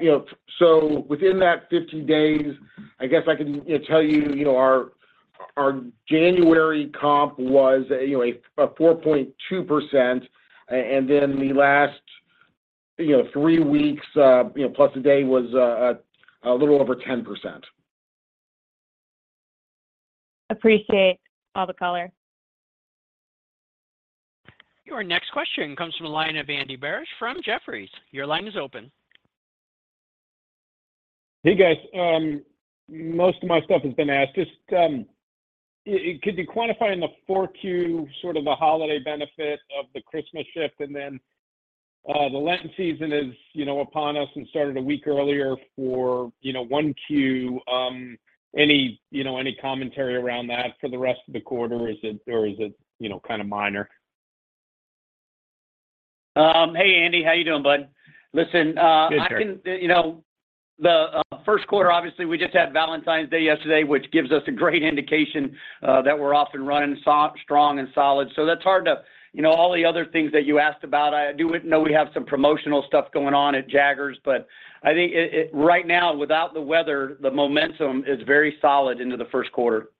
You know, so within that 50 days, I guess I can, you know, tell you, you know, our January comp was, you know, a 4.2%, and then the last, you know, three weeks, you know, plus a day was a little over 10%.
Appreciate all the color.
Your next question comes from the line of Andy Barish from Jefferies. Your line is open.
Hey, guys. Most of my stuff has been asked. Just, could you quantify in the 4Q, sort of the holiday benefit of the Christmas shift, and then, the Lenten season is, you know, upon us and started a week earlier for, you know, 1Q, any, you know, any commentary around that for the rest of the quarter, is it or is it, you know, kind of minor?
Hey, Andy. How are you doing, bud? Listen,
Good, sir.
I think, you know, the first quarter, obviously, we just had Valentine's Day yesterday, which gives us a great indication that we're off and running strong and solid. So that's hard to... You know, all the other things that you asked about, I do know we have some promotional stuff going on at Jaggers, but I think it, it right now, without the weather, the momentum is very solid into the first quarter....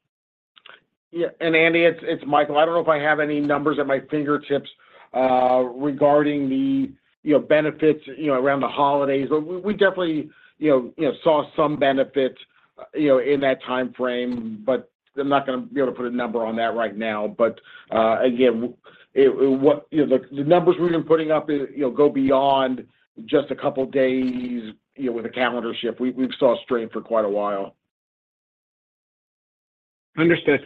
Yeah, and Andy, it's Michael. I don't know if I have any numbers at my fingertips regarding the, you know, benefits, you know, around the holidays. But we definitely, you know, saw some benefit, you know, in that time frame, but I'm not gonna be able to put a number on that right now. But again, what, you know, the numbers we've been putting up, you know, go beyond just a couple days, you know, with a calendar shift. We've seen strong for quite a while.
Understood.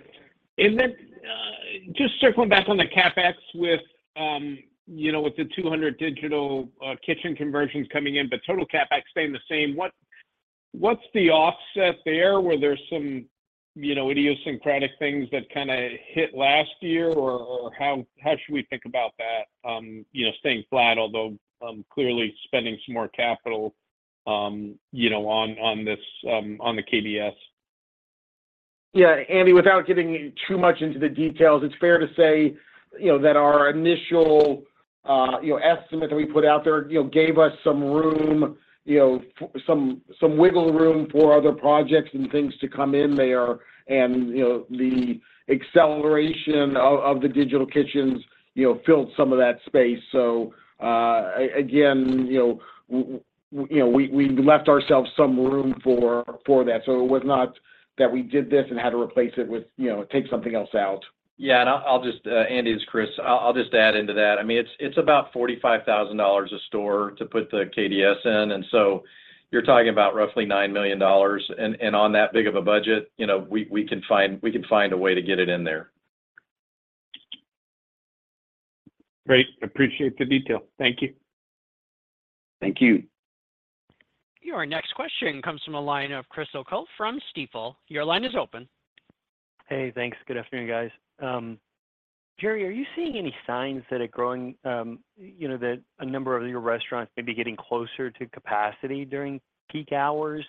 And then, just circling back on the CapEx with, you know, with the 200 digital kitchen conversions coming in, but total CapEx staying the same, what's the offset there, where there's some, you know, idiosyncratic things that kinda hit last year, or how should we think about that? You know, staying flat, although clearly spending some more capital, you know, on this, on the KDS.
Yeah, Andy, without getting too much into the details, it's fair to say, you know, that our initial estimate that we put out there, you know, gave us some room, you know, some wiggle room for other projects and things to come in there. And, you know, the acceleration of the digital kitchens, you know, filled some of that space. So, again, you know, we left ourselves some room for that. So it was not that we did this and had to replace it with, you know, take something else out.
Yeah, and I'll just, Andy, it's Chris. I'll just add into that. I mean, it's about $45,000 a store to put the KDS in, and so you're talking about roughly $9 million. And on that big of a budget, you know, we can find a way to get it in there.
Great. Appreciate the detail. Thank you.
Thank you.
Your next question comes from the line of Chris O'Cull from Stifel. Your line is open.
Hey, thanks. Good afternoon, guys. Jerry, are you seeing any signs that are growing, you know, that a number of your restaurants may be getting closer to capacity during peak hours?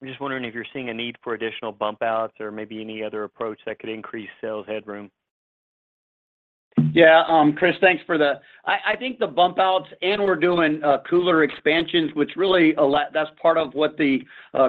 I'm just wondering if you're seeing a need for additional bump outs or maybe any other approach that could increase sales headroom.
Yeah, Chris, thanks for the... I think the bump outs, and we're doing cooler expansions, which really a lot-- that's part of what the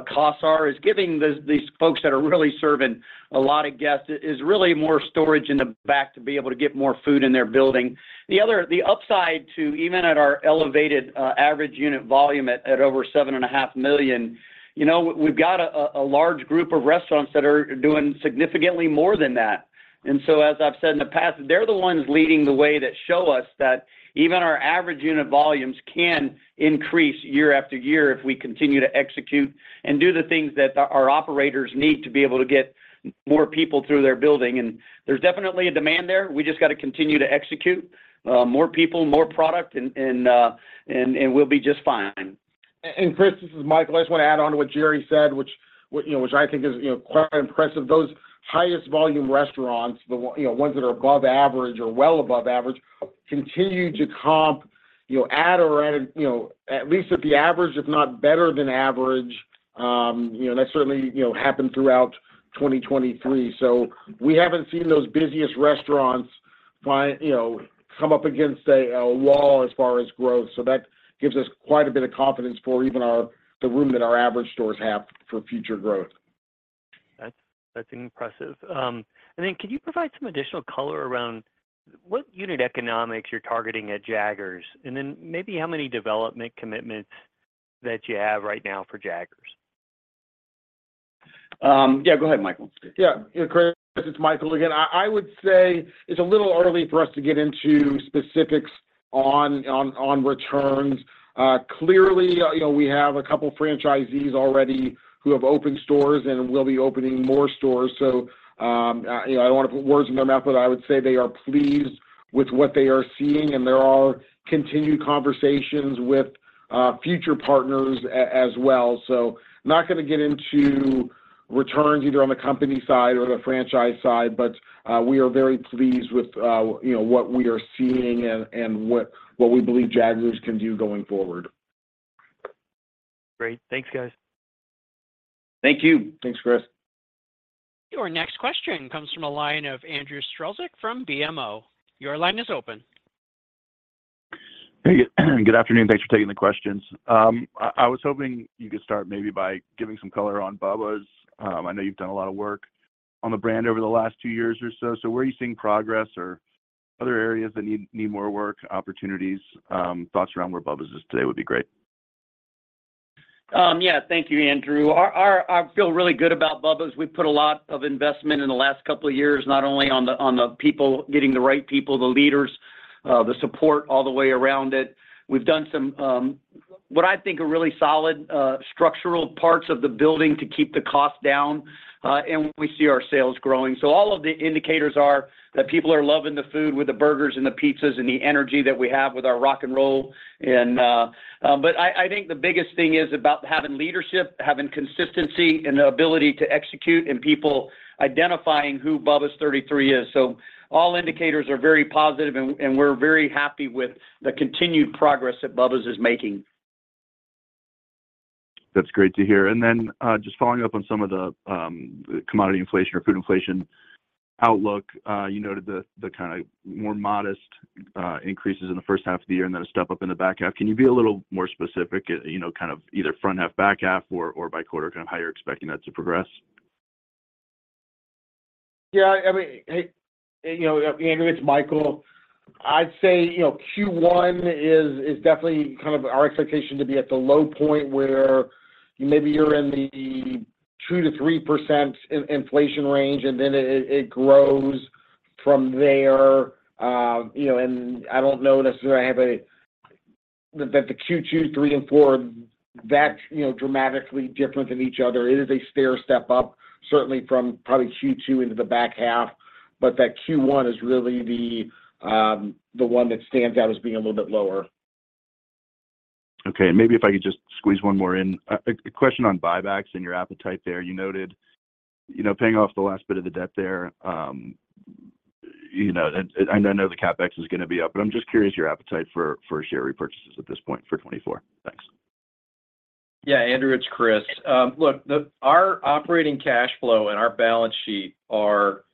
costs are, is giving these folks that are really serving a lot of guests, is really more storage in the back to be able to get more food in their building. The other-- the upside to even at our elevated average unit volume at over $7.5 million, you know, we've got a large group of restaurants that are doing significantly more than that. And so, as I've said in the past, they're the ones leading the way that show us that even our average unit volumes can increase year after year if we continue to execute and do the things that our operators need to be able to get more people through their building. There's definitely a demand there. We just got to continue to execute, more people, more product, and we'll be just fine.
Chris, this is Michael. I just want to add on to what Jerry said, which, you know, which I think is, you know, quite impressive. Those highest volume restaurants, the, you know, ones that are above average or well above average, continue to comp, you know, at or, you know, at least at the average, if not better than average. You know, that certainly, you know, happened throughout 2023. So we haven't seen those busiest restaurants find, you know, come up against a wall as far as growth. So that gives us quite a bit of confidence for even our, the room that our average stores have for future growth.
That's, that's impressive. And then could you provide some additional color around what unit economics you're targeting at Jaggers, and then maybe how many development commitments that you have right now for Jaggers?
Yeah, go ahead, Michael.
Yeah, Chris, it's Michael again. I would say it's a little early for us to get into specifics on returns. Clearly, you know, we have a couple franchisees already who have opened stores and will be opening more stores. So, you know, I don't want to put words in their mouth, but I would say they are pleased with what they are seeing, and there are continued conversations with future partners as well. So not gonna get into returns either on the company side or the franchise side, but we are very pleased with you know, what we are seeing and what we believe Jaggers can do going forward.
Great. Thanks, guys.
Thank you.
Thanks, Chris.
Your next question comes from a line of Andrew Strelzik from BMO. Your line is open.
Hey, good afternoon. Thanks for taking the questions. I was hoping you could start maybe by giving some color on Bubba's. I know you've done a lot of work on the brand over the last two years or so. So where are you seeing progress or other areas that need more work, opportunities, thoughts around where Bubba's is today would be great.
Yeah, thank you, Andrew. I feel really good about Bubba's. We've put a lot of investment in the last couple of years, not only on the people, getting the right people, the leaders, the support all the way around it. We've done some what I think are really solid structural parts of the building to keep the cost down, and we see our sales growing. So all of the indicators are that people are loving the food with the burgers and the pizzas and the energy that we have with our rock and roll. And but I think the biggest thing is about having leadership, having consistency, and the ability to execute, and people identifying who Bubba's 33 is. So all indicators are very positive, and we're very happy with the continued progress that Bubba's is making.
That's great to hear. And then, just following up on some of the, the commodity inflation or food inflation outlook, you noted the, the kind of more modest, increases in the first half of the year and then a step up in the back half. Can you be a little more specific, you know, kind of either front half, back half or, or by quarter, kind of how you're expecting that to progress?
Yeah, I mean, hey, you know, Andrew, it's Michael. I'd say, you know, Q1 is definitely kind of our expectation to be at the low point where maybe you're in the 2%-3% inflation range, and then it grows from there. You know, and I don't know necessarily that the Q2, Q3, and Q4 that's, you know, dramatically different than each other. It is a stair step up, certainly from probably Q2 into the back half. But that Q1 is really the one that stands out as being a little bit lower.
Okay. Maybe if I could just squeeze one more in. A question on buybacks and your appetite there. You noted, you know, paying off the last bit of the debt there, you know, and I know the CapEx is going to be up, but I'm just curious, your appetite for share repurchases at this point for 2024. Thanks.
Yeah, Andrew, it's Chris. Look, our operating cash flow and our balance sheet are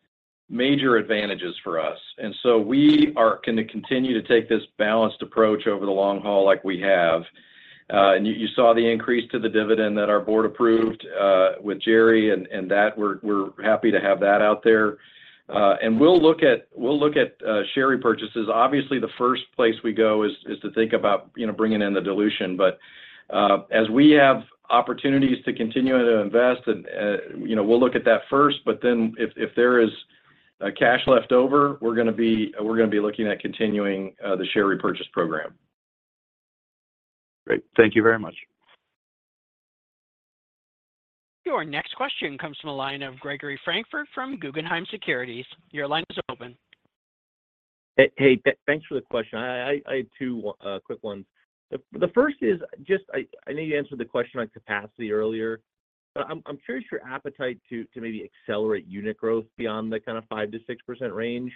major advantages for us, and so we are going to continue to take this balanced approach over the long haul like we have. And you saw the increase to the dividend that our board approved with Jerry and that we're happy to have that out there. And we'll look at share repurchases. Obviously, the first place we go is to think about, you know, bringing in the dilution. But as we have opportunities to continue to invest, and you know, we'll look at that first. But then if there is cash left over, we're going to be looking at continuing the share repurchase program.
Great. Thank you very much.
Your next question comes from the line of Gregory Francfort from Guggenheim Securities. Your line is open.
Hey, hey, thanks for the question. I had two quick ones. The first is just, I need you to answer the question on capacity earlier. I'm curious, your appetite to maybe accelerate unit growth beyond the kind of 5%-6% range.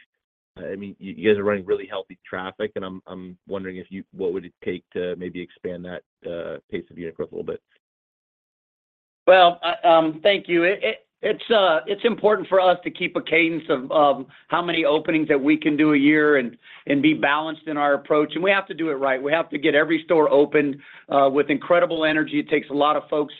I mean, you guys are running really healthy traffic, and I'm wondering if you—what would it take to maybe expand that pace of unit growth a little bit?
Well, thank you. It's important for us to keep a cadence of how many openings that we can do a year and be balanced in our approach. We have to do it right. We have to get every store open with incredible energy. It takes a lot of folks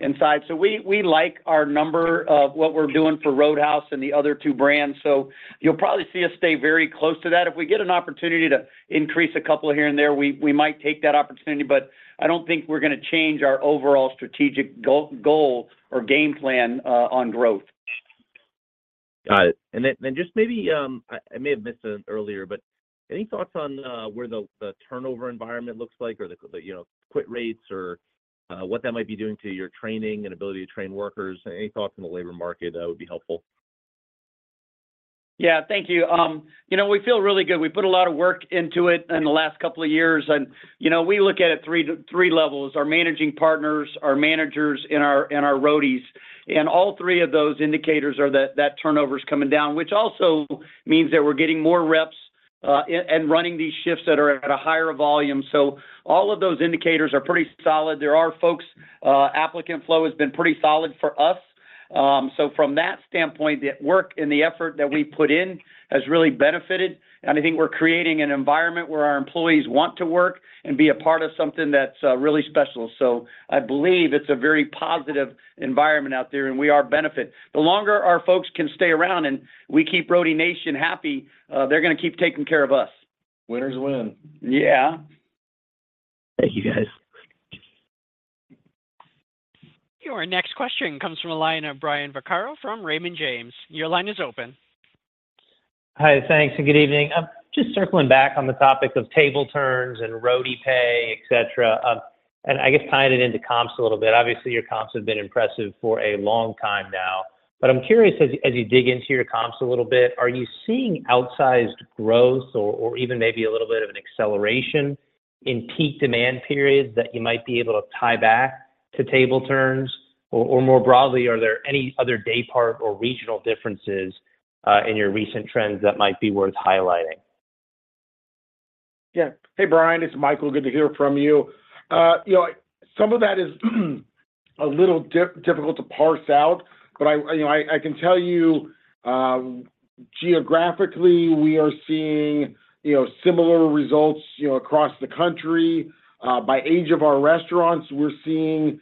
inside. So we like our number of what we're doing for Roadhouse and the other two brands. So you'll probably see us stay very close to that. If we get an opportunity to increase a couple here and there, we might take that opportunity, but I don't think we're going to change our overall strategic goal or game plan on growth.
Got it. And then just maybe I may have missed it earlier, but any thoughts on where the turnover environment looks like or the, you know, quit rates or what that might be doing to your training and ability to train workers? Any thoughts on the labor market, that would be helpful.
Yeah. Thank you. You know, we feel really good. We put a lot of work into it in the last couple of years, and, you know, we look at it three levels: our managing partners, our managers, and our Roadies. And all three of those indicators are that turnover is coming down, which also means that we're getting more reps, and running these shifts that are at a higher volume. So all of those indicators are pretty solid. There are folks, applicant flow has been pretty solid for us. So from that standpoint, the work and the effort that we put in has really benefited, and I think we're creating an environment where our employees want to work and be a part of something that's really special. So I believe it's a very positive environment out there, and we are benefit. The longer our folks can stay around and we keep Roadie Nation happy, they're going to keep taking care of us.
Winners win.
Yeah.
Thank you, guys.
Your next question comes from a line of Brian Vaccaro from Raymond James. Your line is open.
Hi, thanks, and good evening. I'm just circling back on the topic of table turns and Roadie Pay, etc., and I guess tying it into comps a little bit. Obviously, your comps have been impressive for a long time now. But I'm curious, as you, as you dig into your comps a little bit, are you seeing outsized growth or, or even maybe a little bit of an acceleration in peak demand periods that you might be able to tie back to table turns? Or, or more broadly, are there any other day part or regional differences, in your recent trends that might be worth highlighting?
Yeah. Hey, Brian, it's Michael. Good to hear from you. You know, some of that is a little difficult to parse out, but I, you know, I can tell you, geographically, we are seeing, you know, similar results, you know, across the country. By age of our restaurants, we're seeing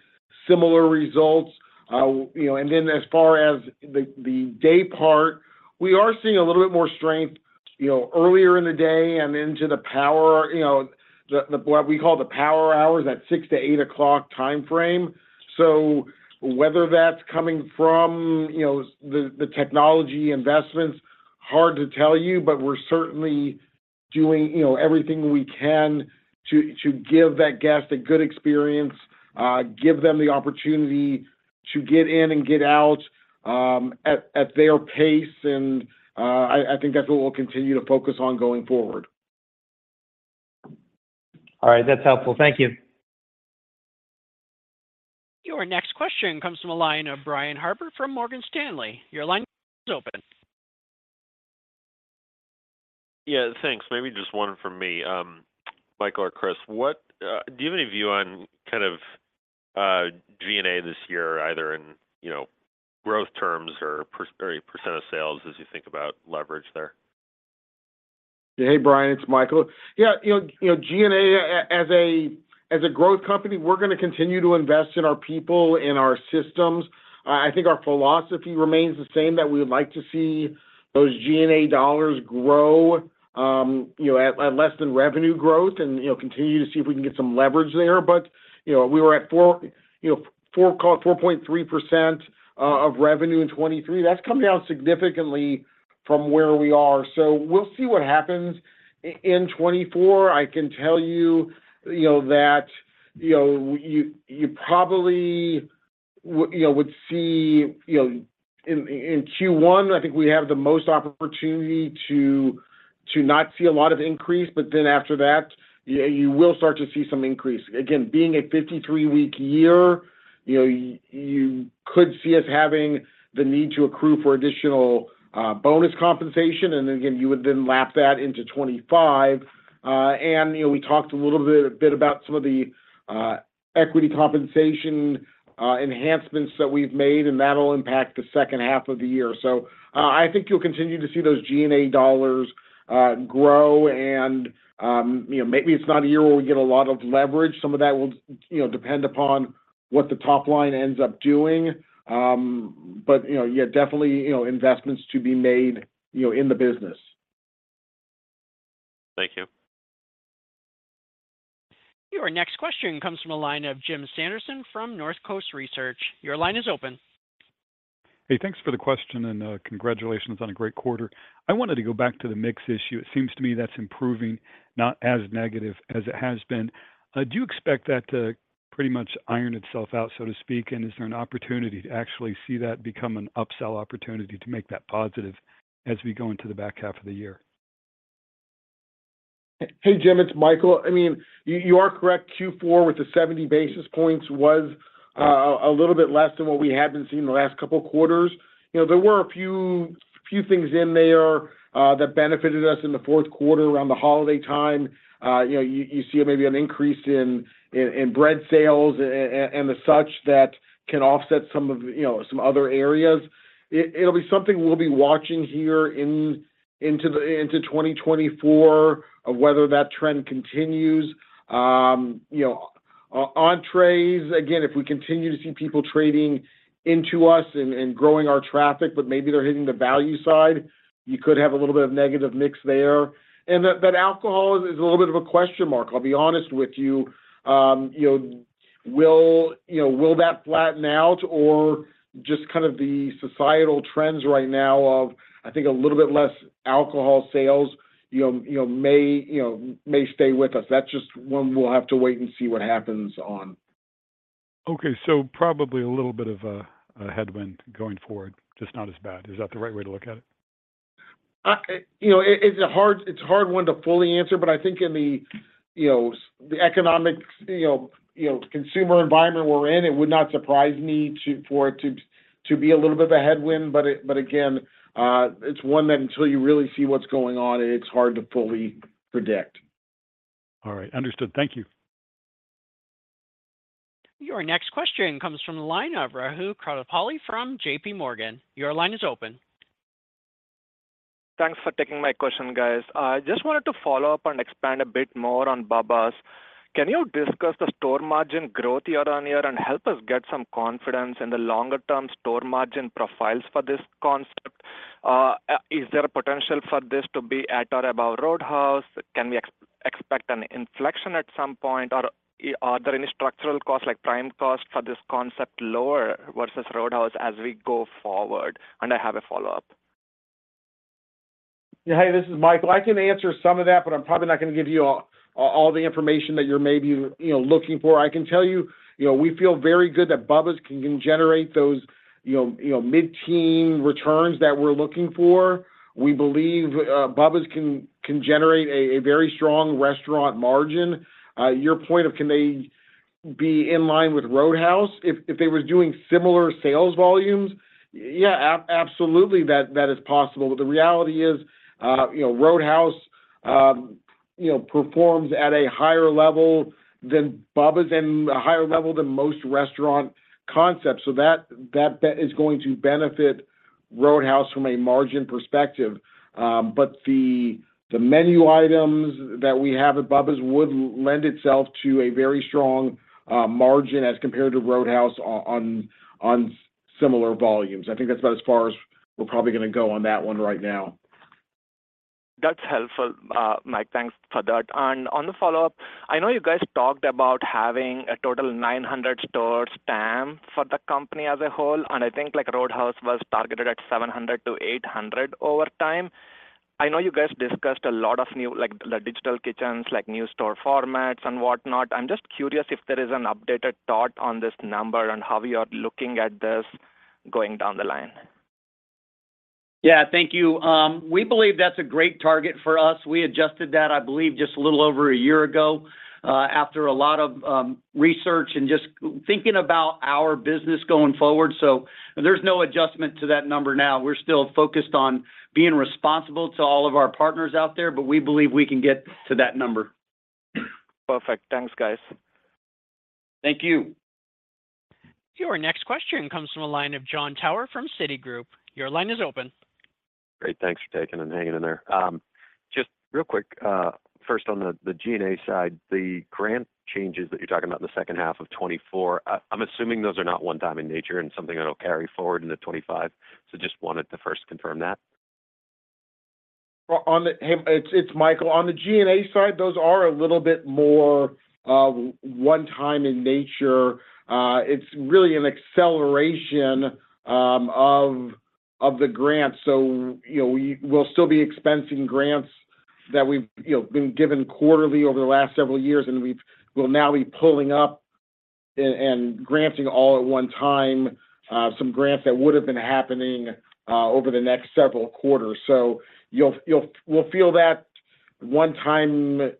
similar results. You know, and then as far as the day part, we are seeing a little bit more strength, you know, earlier in the day and into the power, you know, the what we call the power hours, that six to eight o'clock time frame. So whether that's coming from, you know, the technology investments, hard to tell you, but we're certainly doing, you know, everything we can to give that guest a good experience, give them the opportunity to get in and get out, at their pace, and I think that's what we'll continue to focus on going forward.
All right. That's helpful. Thank you.
Your next question comes from a line of Brian Harbour from Morgan Stanley. Your line is open.
Yeah, thanks. Maybe just one from me. Michael or Chris, what do you have any view on kind of G&A this year, either in, you know, growth terms or per, or percent of sales as you think about leverage there?
Hey, Brian, it's Michael. Yeah, you know, you know, G&A, as a growth company, we're going to continue to invest in our people, in our systems. I think our philosophy remains the same, that we would like to see those G&A dollars grow, you know, at less than revenue growth and, you know, continue to see if we can get some leverage there. You know, we were at 4.3% of revenue in 2023. That's come down significantly from where we are. So we'll see what happens in 2024. I can tell you, you know, that, you know, you probably you know, would see... You know, in Q1, I think we have the most opportunity to not see a lot of increase, but then after that, yeah, you will start to see some increase. Again, being a 53-week year, you know, you could see us having the need to accrue for additional bonus compensation. And then, again, you would then lap that into 25. And, you know, we talked a little bit about some of the equity compensation enhancements that we've made, and that'll impact the second half of the year. So, I think you'll continue to see those G&A dollars grow and, you know, maybe it's not a year where we get a lot of leverage. Some of that will, you know, depend upon what the top line ends up doing. But, you know, yeah, definitely, you know, investments to be made, you know, in the business.
Thank you.
Your next question comes from the line of Jim Sanderson from North Coast Research. Your line is open.
Hey, thanks for the question, and, congratulations on a great quarter. I wanted to go back to the mix issue. It seems to me that's improving, not as negative as it has been. Do you expect that to pretty much iron itself out, so to speak? And is there an opportunity to actually see that become an upsell opportunity to make that positive as we go into the back half of the year?
Hey, Jim, it's Michael. I mean, you are correct. Q4, with the 70 basis points, was a little bit less than what we had been seeing the last couple of quarters. You know, there were a few things in there that benefited us in the fourth quarter around the holiday time. You know, you see maybe an increase in bread sales and the such that can offset some of, you know, some other areas. It, it'll be something we'll be watching here into 2024 of whether that trend continues. You know, our entrees, again, if we continue to see people trading into us and growing our traffic, but maybe they're hitting the value side, you could have a little bit of negative mix there. And that alcohol is a little bit of a question mark, I'll be honest with you. You know, will that flatten out or just kind of the societal trends right now of, I think, a little bit less alcohol sales, you know, may stay with us? That's just one we'll have to wait and see what happens on.
Okay, so probably a little bit of a headwind going forward, just not as bad. Is that the right way to look at it?
You know, it's a hard, it's a hard one to fully answer, but I think in the, you know, the economic, you know, you know, consumer environment we're in, it would not surprise me to, for it to, to be a little bit of a headwind. But it, but again, it's one that until you really see what's going on, it's hard to fully predict.
All right. Understood. Thank you.
Your next question comes from the line of Rahul Krotthapalli from JPMorgan. Your line is open.
Thanks for taking my question, guys. I just wanted to follow up and expand a bit more on Bubba's. Can you discuss the store margin growth year on year and help us get some confidence in the longer-term store margin profiles for this concept? Is there a potential for this to be at or about Roadhouse? Can we expect an inflection at some point, or are there any structural costs, like prime costs, for this concept lower versus Roadhouse as we go forward? And I have a follow-up.
Hey, this is Michael. I can answer some of that, but I'm probably not going to give you all the information that you're maybe, you know, looking for. I can tell you, you know, we feel very good that Bubba's can generate those, you know, mid-teen returns that we're looking for. We believe Bubba's can generate a very strong restaurant margin. Your point of can they be in line with Roadhouse if they were doing similar sales volumes? Yeah, absolutely, that is possible. But the reality is, you know, Roadhouse, you know, performs at a higher level than Bubba's and a higher level than most restaurant concepts. So that is going to benefit Roadhouse from a margin perspective. But the menu items that we have at Bubba's would lend itself to a very strong margin as compared to Roadhouse on similar volumes. I think that's about as far as we're probably going to go on that one right now.
That's helpful, Mike, thanks for that. On the follow-up, I know you guys talked about having a total of 900-store span for the company as a whole, and I think, like, Roadhouse was targeted at 700-800 over time. I know you guys discussed a lot of new, like, the digital kitchens, like, new store formats and whatnot. I'm just curious if there is an updated thought on this number and how you are looking at this going down the line.
Yeah, thank you. We believe that's a great target for us. We adjusted that, I believe, just a little over a year ago, after a lot of research and just thinking about our business going forward. So there's no adjustment to that number now. We're still focused on being responsible to all of our partners out there, but we believe we can get to that number.
Perfect. Thanks, guys.
Thank you....
Your next question comes from the line of John Tower from Citigroup. Your line is open.
Great. Thanks for taking and hanging in there. Just real quick, first, on the, the G&A side, the grant changes that you're talking about in the second half of 2024, I'm assuming those are not one time in nature and something that'll carry forward into 2025. So just wanted to first confirm that.
Hey, it's Michael. On the G&A side, those are a little bit more one time in nature. It's really an acceleration of the grants. So, you know, we will still be expensing grants that we've, you know, been given quarterly over the last several years, and we'll now be pulling up and granting all at one time some grants that would have been happening over the next several quarters. So we'll feel that one time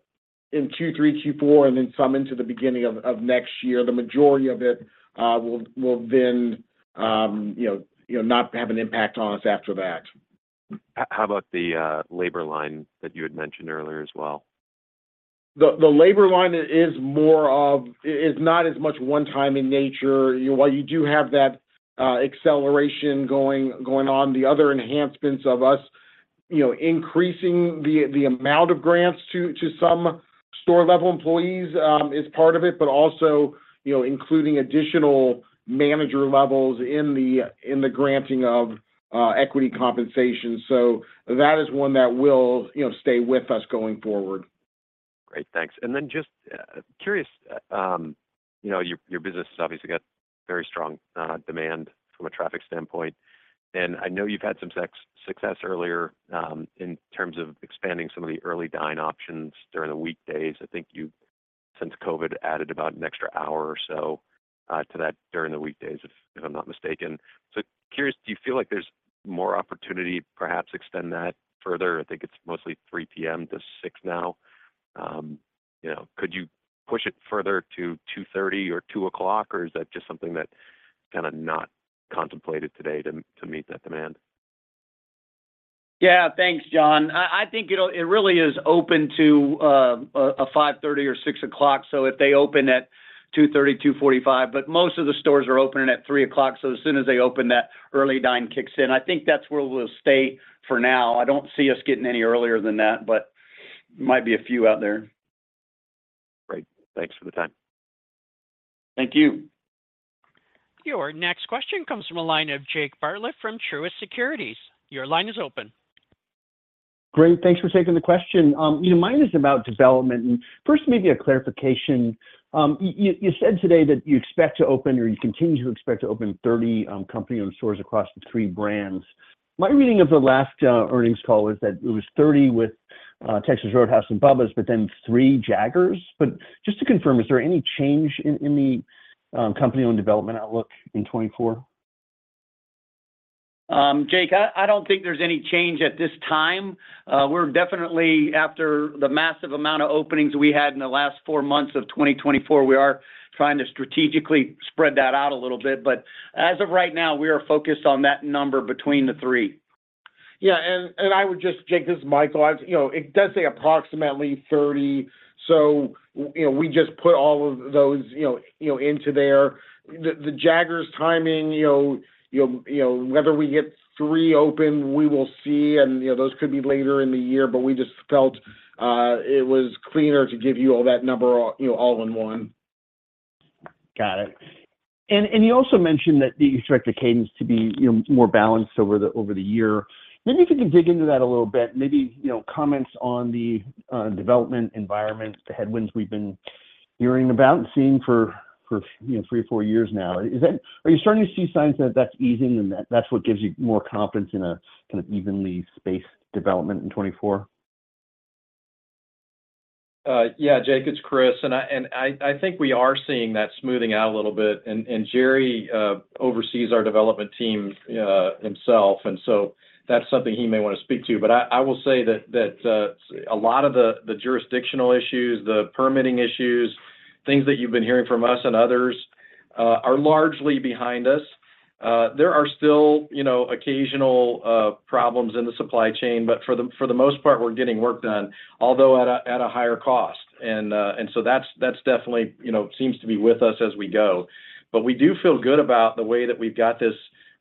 in Q3, Q4, and then some into the beginning of next year. The majority of it will then, you know, you know, not have an impact on us after that.
How about the labor line that you had mentioned earlier as well?
The labor line is more of... is not as much one time in nature. You know, while you do have that, acceleration going on, the other enhancements of us, you know, increasing the amount of grants to some store-level employees, is part of it, but also, you know, including additional manager levels in the granting of equity compensation. So that is one that will, you know, stay with us going forward.
Great, thanks. And then just curious, you know, your business has obviously got very strong demand from a traffic standpoint. And I know you've had some success earlier in terms of expanding some of the Early Dine options during the weekdays. I think you've, since COVID, added about an extra hour or so to that during the weekdays, if I'm not mistaken. So curious, do you feel like there's more opportunity to perhaps extend that further? I think it's mostly 3:00 P.M. to 6:00 P.M. now. You know, could you push it further to 2:30 P.M. or 2:00 P.M., or is that just something that kind of not contemplated today to meet that demand?
Yeah. Thanks, John. I think it really is open to a 5:30 P.M. or 6:00 P.M., so if they open at 2:30 P.M., 2:45 P.M., but most of the stores are opening at 3:00 P.M. So as soon as they open, that Early Dine kicks in. I think that's where we'll stay for now. I don't see us getting any earlier than that, but might be a few out there.
Great. Thanks for the time.
Thank you.
Your next question comes from a line of Jake Bartlett from Truist Securities. Your line is open.
Great, thanks for taking the question. You know, mine is about development. First, maybe a clarification. You said today that you expect to open, or you continue to expect to open 30 company-owned stores across the three brands. My reading of the last earnings call was that it was 30 with Texas Roadhouse and Bubba's, but then three Jaggers. Just to confirm, is there any change in the company-owned development outlook in 2024?
Jake, I don't think there's any change at this time. We're definitely after the massive amount of openings we had in the last four months of 2024, we are trying to strategically spread that out a little bit. But as of right now, we are focused on that number between the three.
Yeah, and, and I would just... Jake, this is Michael. I've... You know, it does say approximately 30, so, you know, we just put all of those, you know, you know, into there. The Jaggers timing, you know, you'll, you know, whether we get three open, we will see. And, you know, those could be later in the year, but we just felt, it was cleaner to give you all that number, you know, all in one.
Got it. And you also mentioned that you expect the cadence to be, you know, more balanced over the year. Maybe if you could dig into that a little bit, maybe, you know, comments on the development environment, the headwinds we've been hearing about and seeing for, you know, three or four years now. Is that? Are you starting to see signs that that's easing and that's what gives you more confidence in a kind of evenly spaced development in 2024?
Yeah. Jake, it's Chris, and I think we are seeing that smoothing out a little bit. And Jerry oversees our development team himself, and so that's something he may want to speak to. But I will say that a lot of the jurisdictional issues, the permitting issues, things that you've been hearing from us and others are largely behind us. There are still, you know, occasional problems in the supply chain, but for the most part, we're getting work done, although at a higher cost. And so that's definitely, you know, seems to be with us as we go. But we do feel good about the way that we've got this.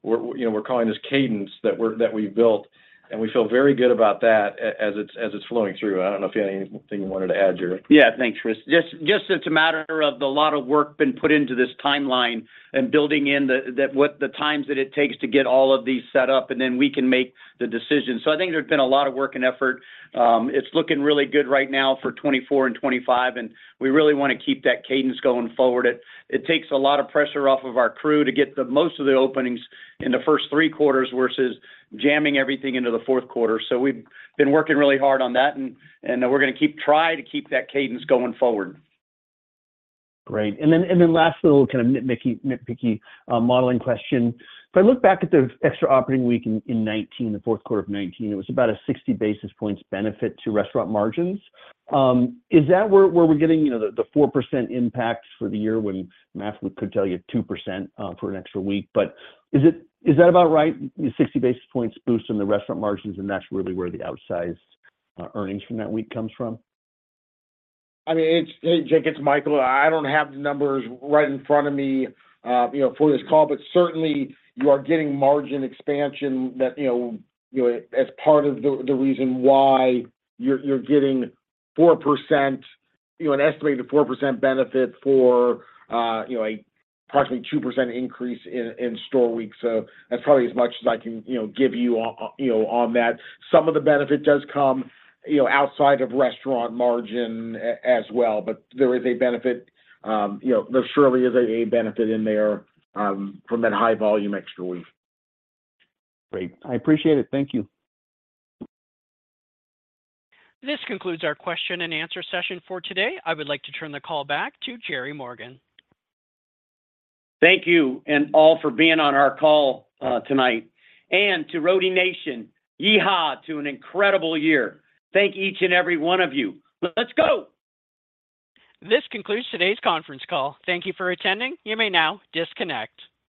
We're, you know, we're calling this cadence that we've built, and we feel very good about that as it's flowing through. I don't know if you have anything you wanted to add, Jerry.
Yeah. Thanks, Chris. Just it's a matter of a lot of work been put into this timeline and building in the times that it takes to get all of these set up, and then we can make the decision. So I think there's been a lot of work and effort. It's looking really good right now for 2024 and 2025, and we really want to keep that cadence going forward. It takes a lot of pressure off of our crew to get the most of the openings in the first three quarters versus jamming everything into the fourth quarter. So we've been working really hard on that, and we're gonna try to keep that cadence going forward.
Great. Then last little kind of nitpicky modeling question. If I look back at the extra operating week in 2019, the fourth quarter of 2019, it was about a 60 basis points benefit to restaurant margins. Is that where we're getting, you know, the 4% impact for the year when math could tell you 2% for an extra week? But is that about right, the 60 basis points boost in the restaurant margins, and that's really where the outsized earnings from that week comes from?
I mean, it's Hey, Jake, it's Michael. I don't have the numbers right in front of me, you know, for this call, but certainly, you are getting margin expansion that, you know, you know, as part of the reason why you're getting 4%, you know, an estimated 4% benefit for, you know, approximately 2% increase in Store Week. So that's probably as much as I can, you know, give you, you know, on that. Some of the benefit does come, you know, outside of Restaurant Margin as well, but there is a benefit. You know, there surely is a benefit in there from that high volume extra week.
Great. I appreciate it. Thank you.
This concludes our question and answer session for today. I would like to turn the call back to Jerry Morgan.
Thank you and all for being on our call, tonight. And to Roadie Nation, yee-haw, to an incredible year! Thank each and every one of you. Let's go!
This concludes today's conference call. Thank you for attending. You may now disconnect.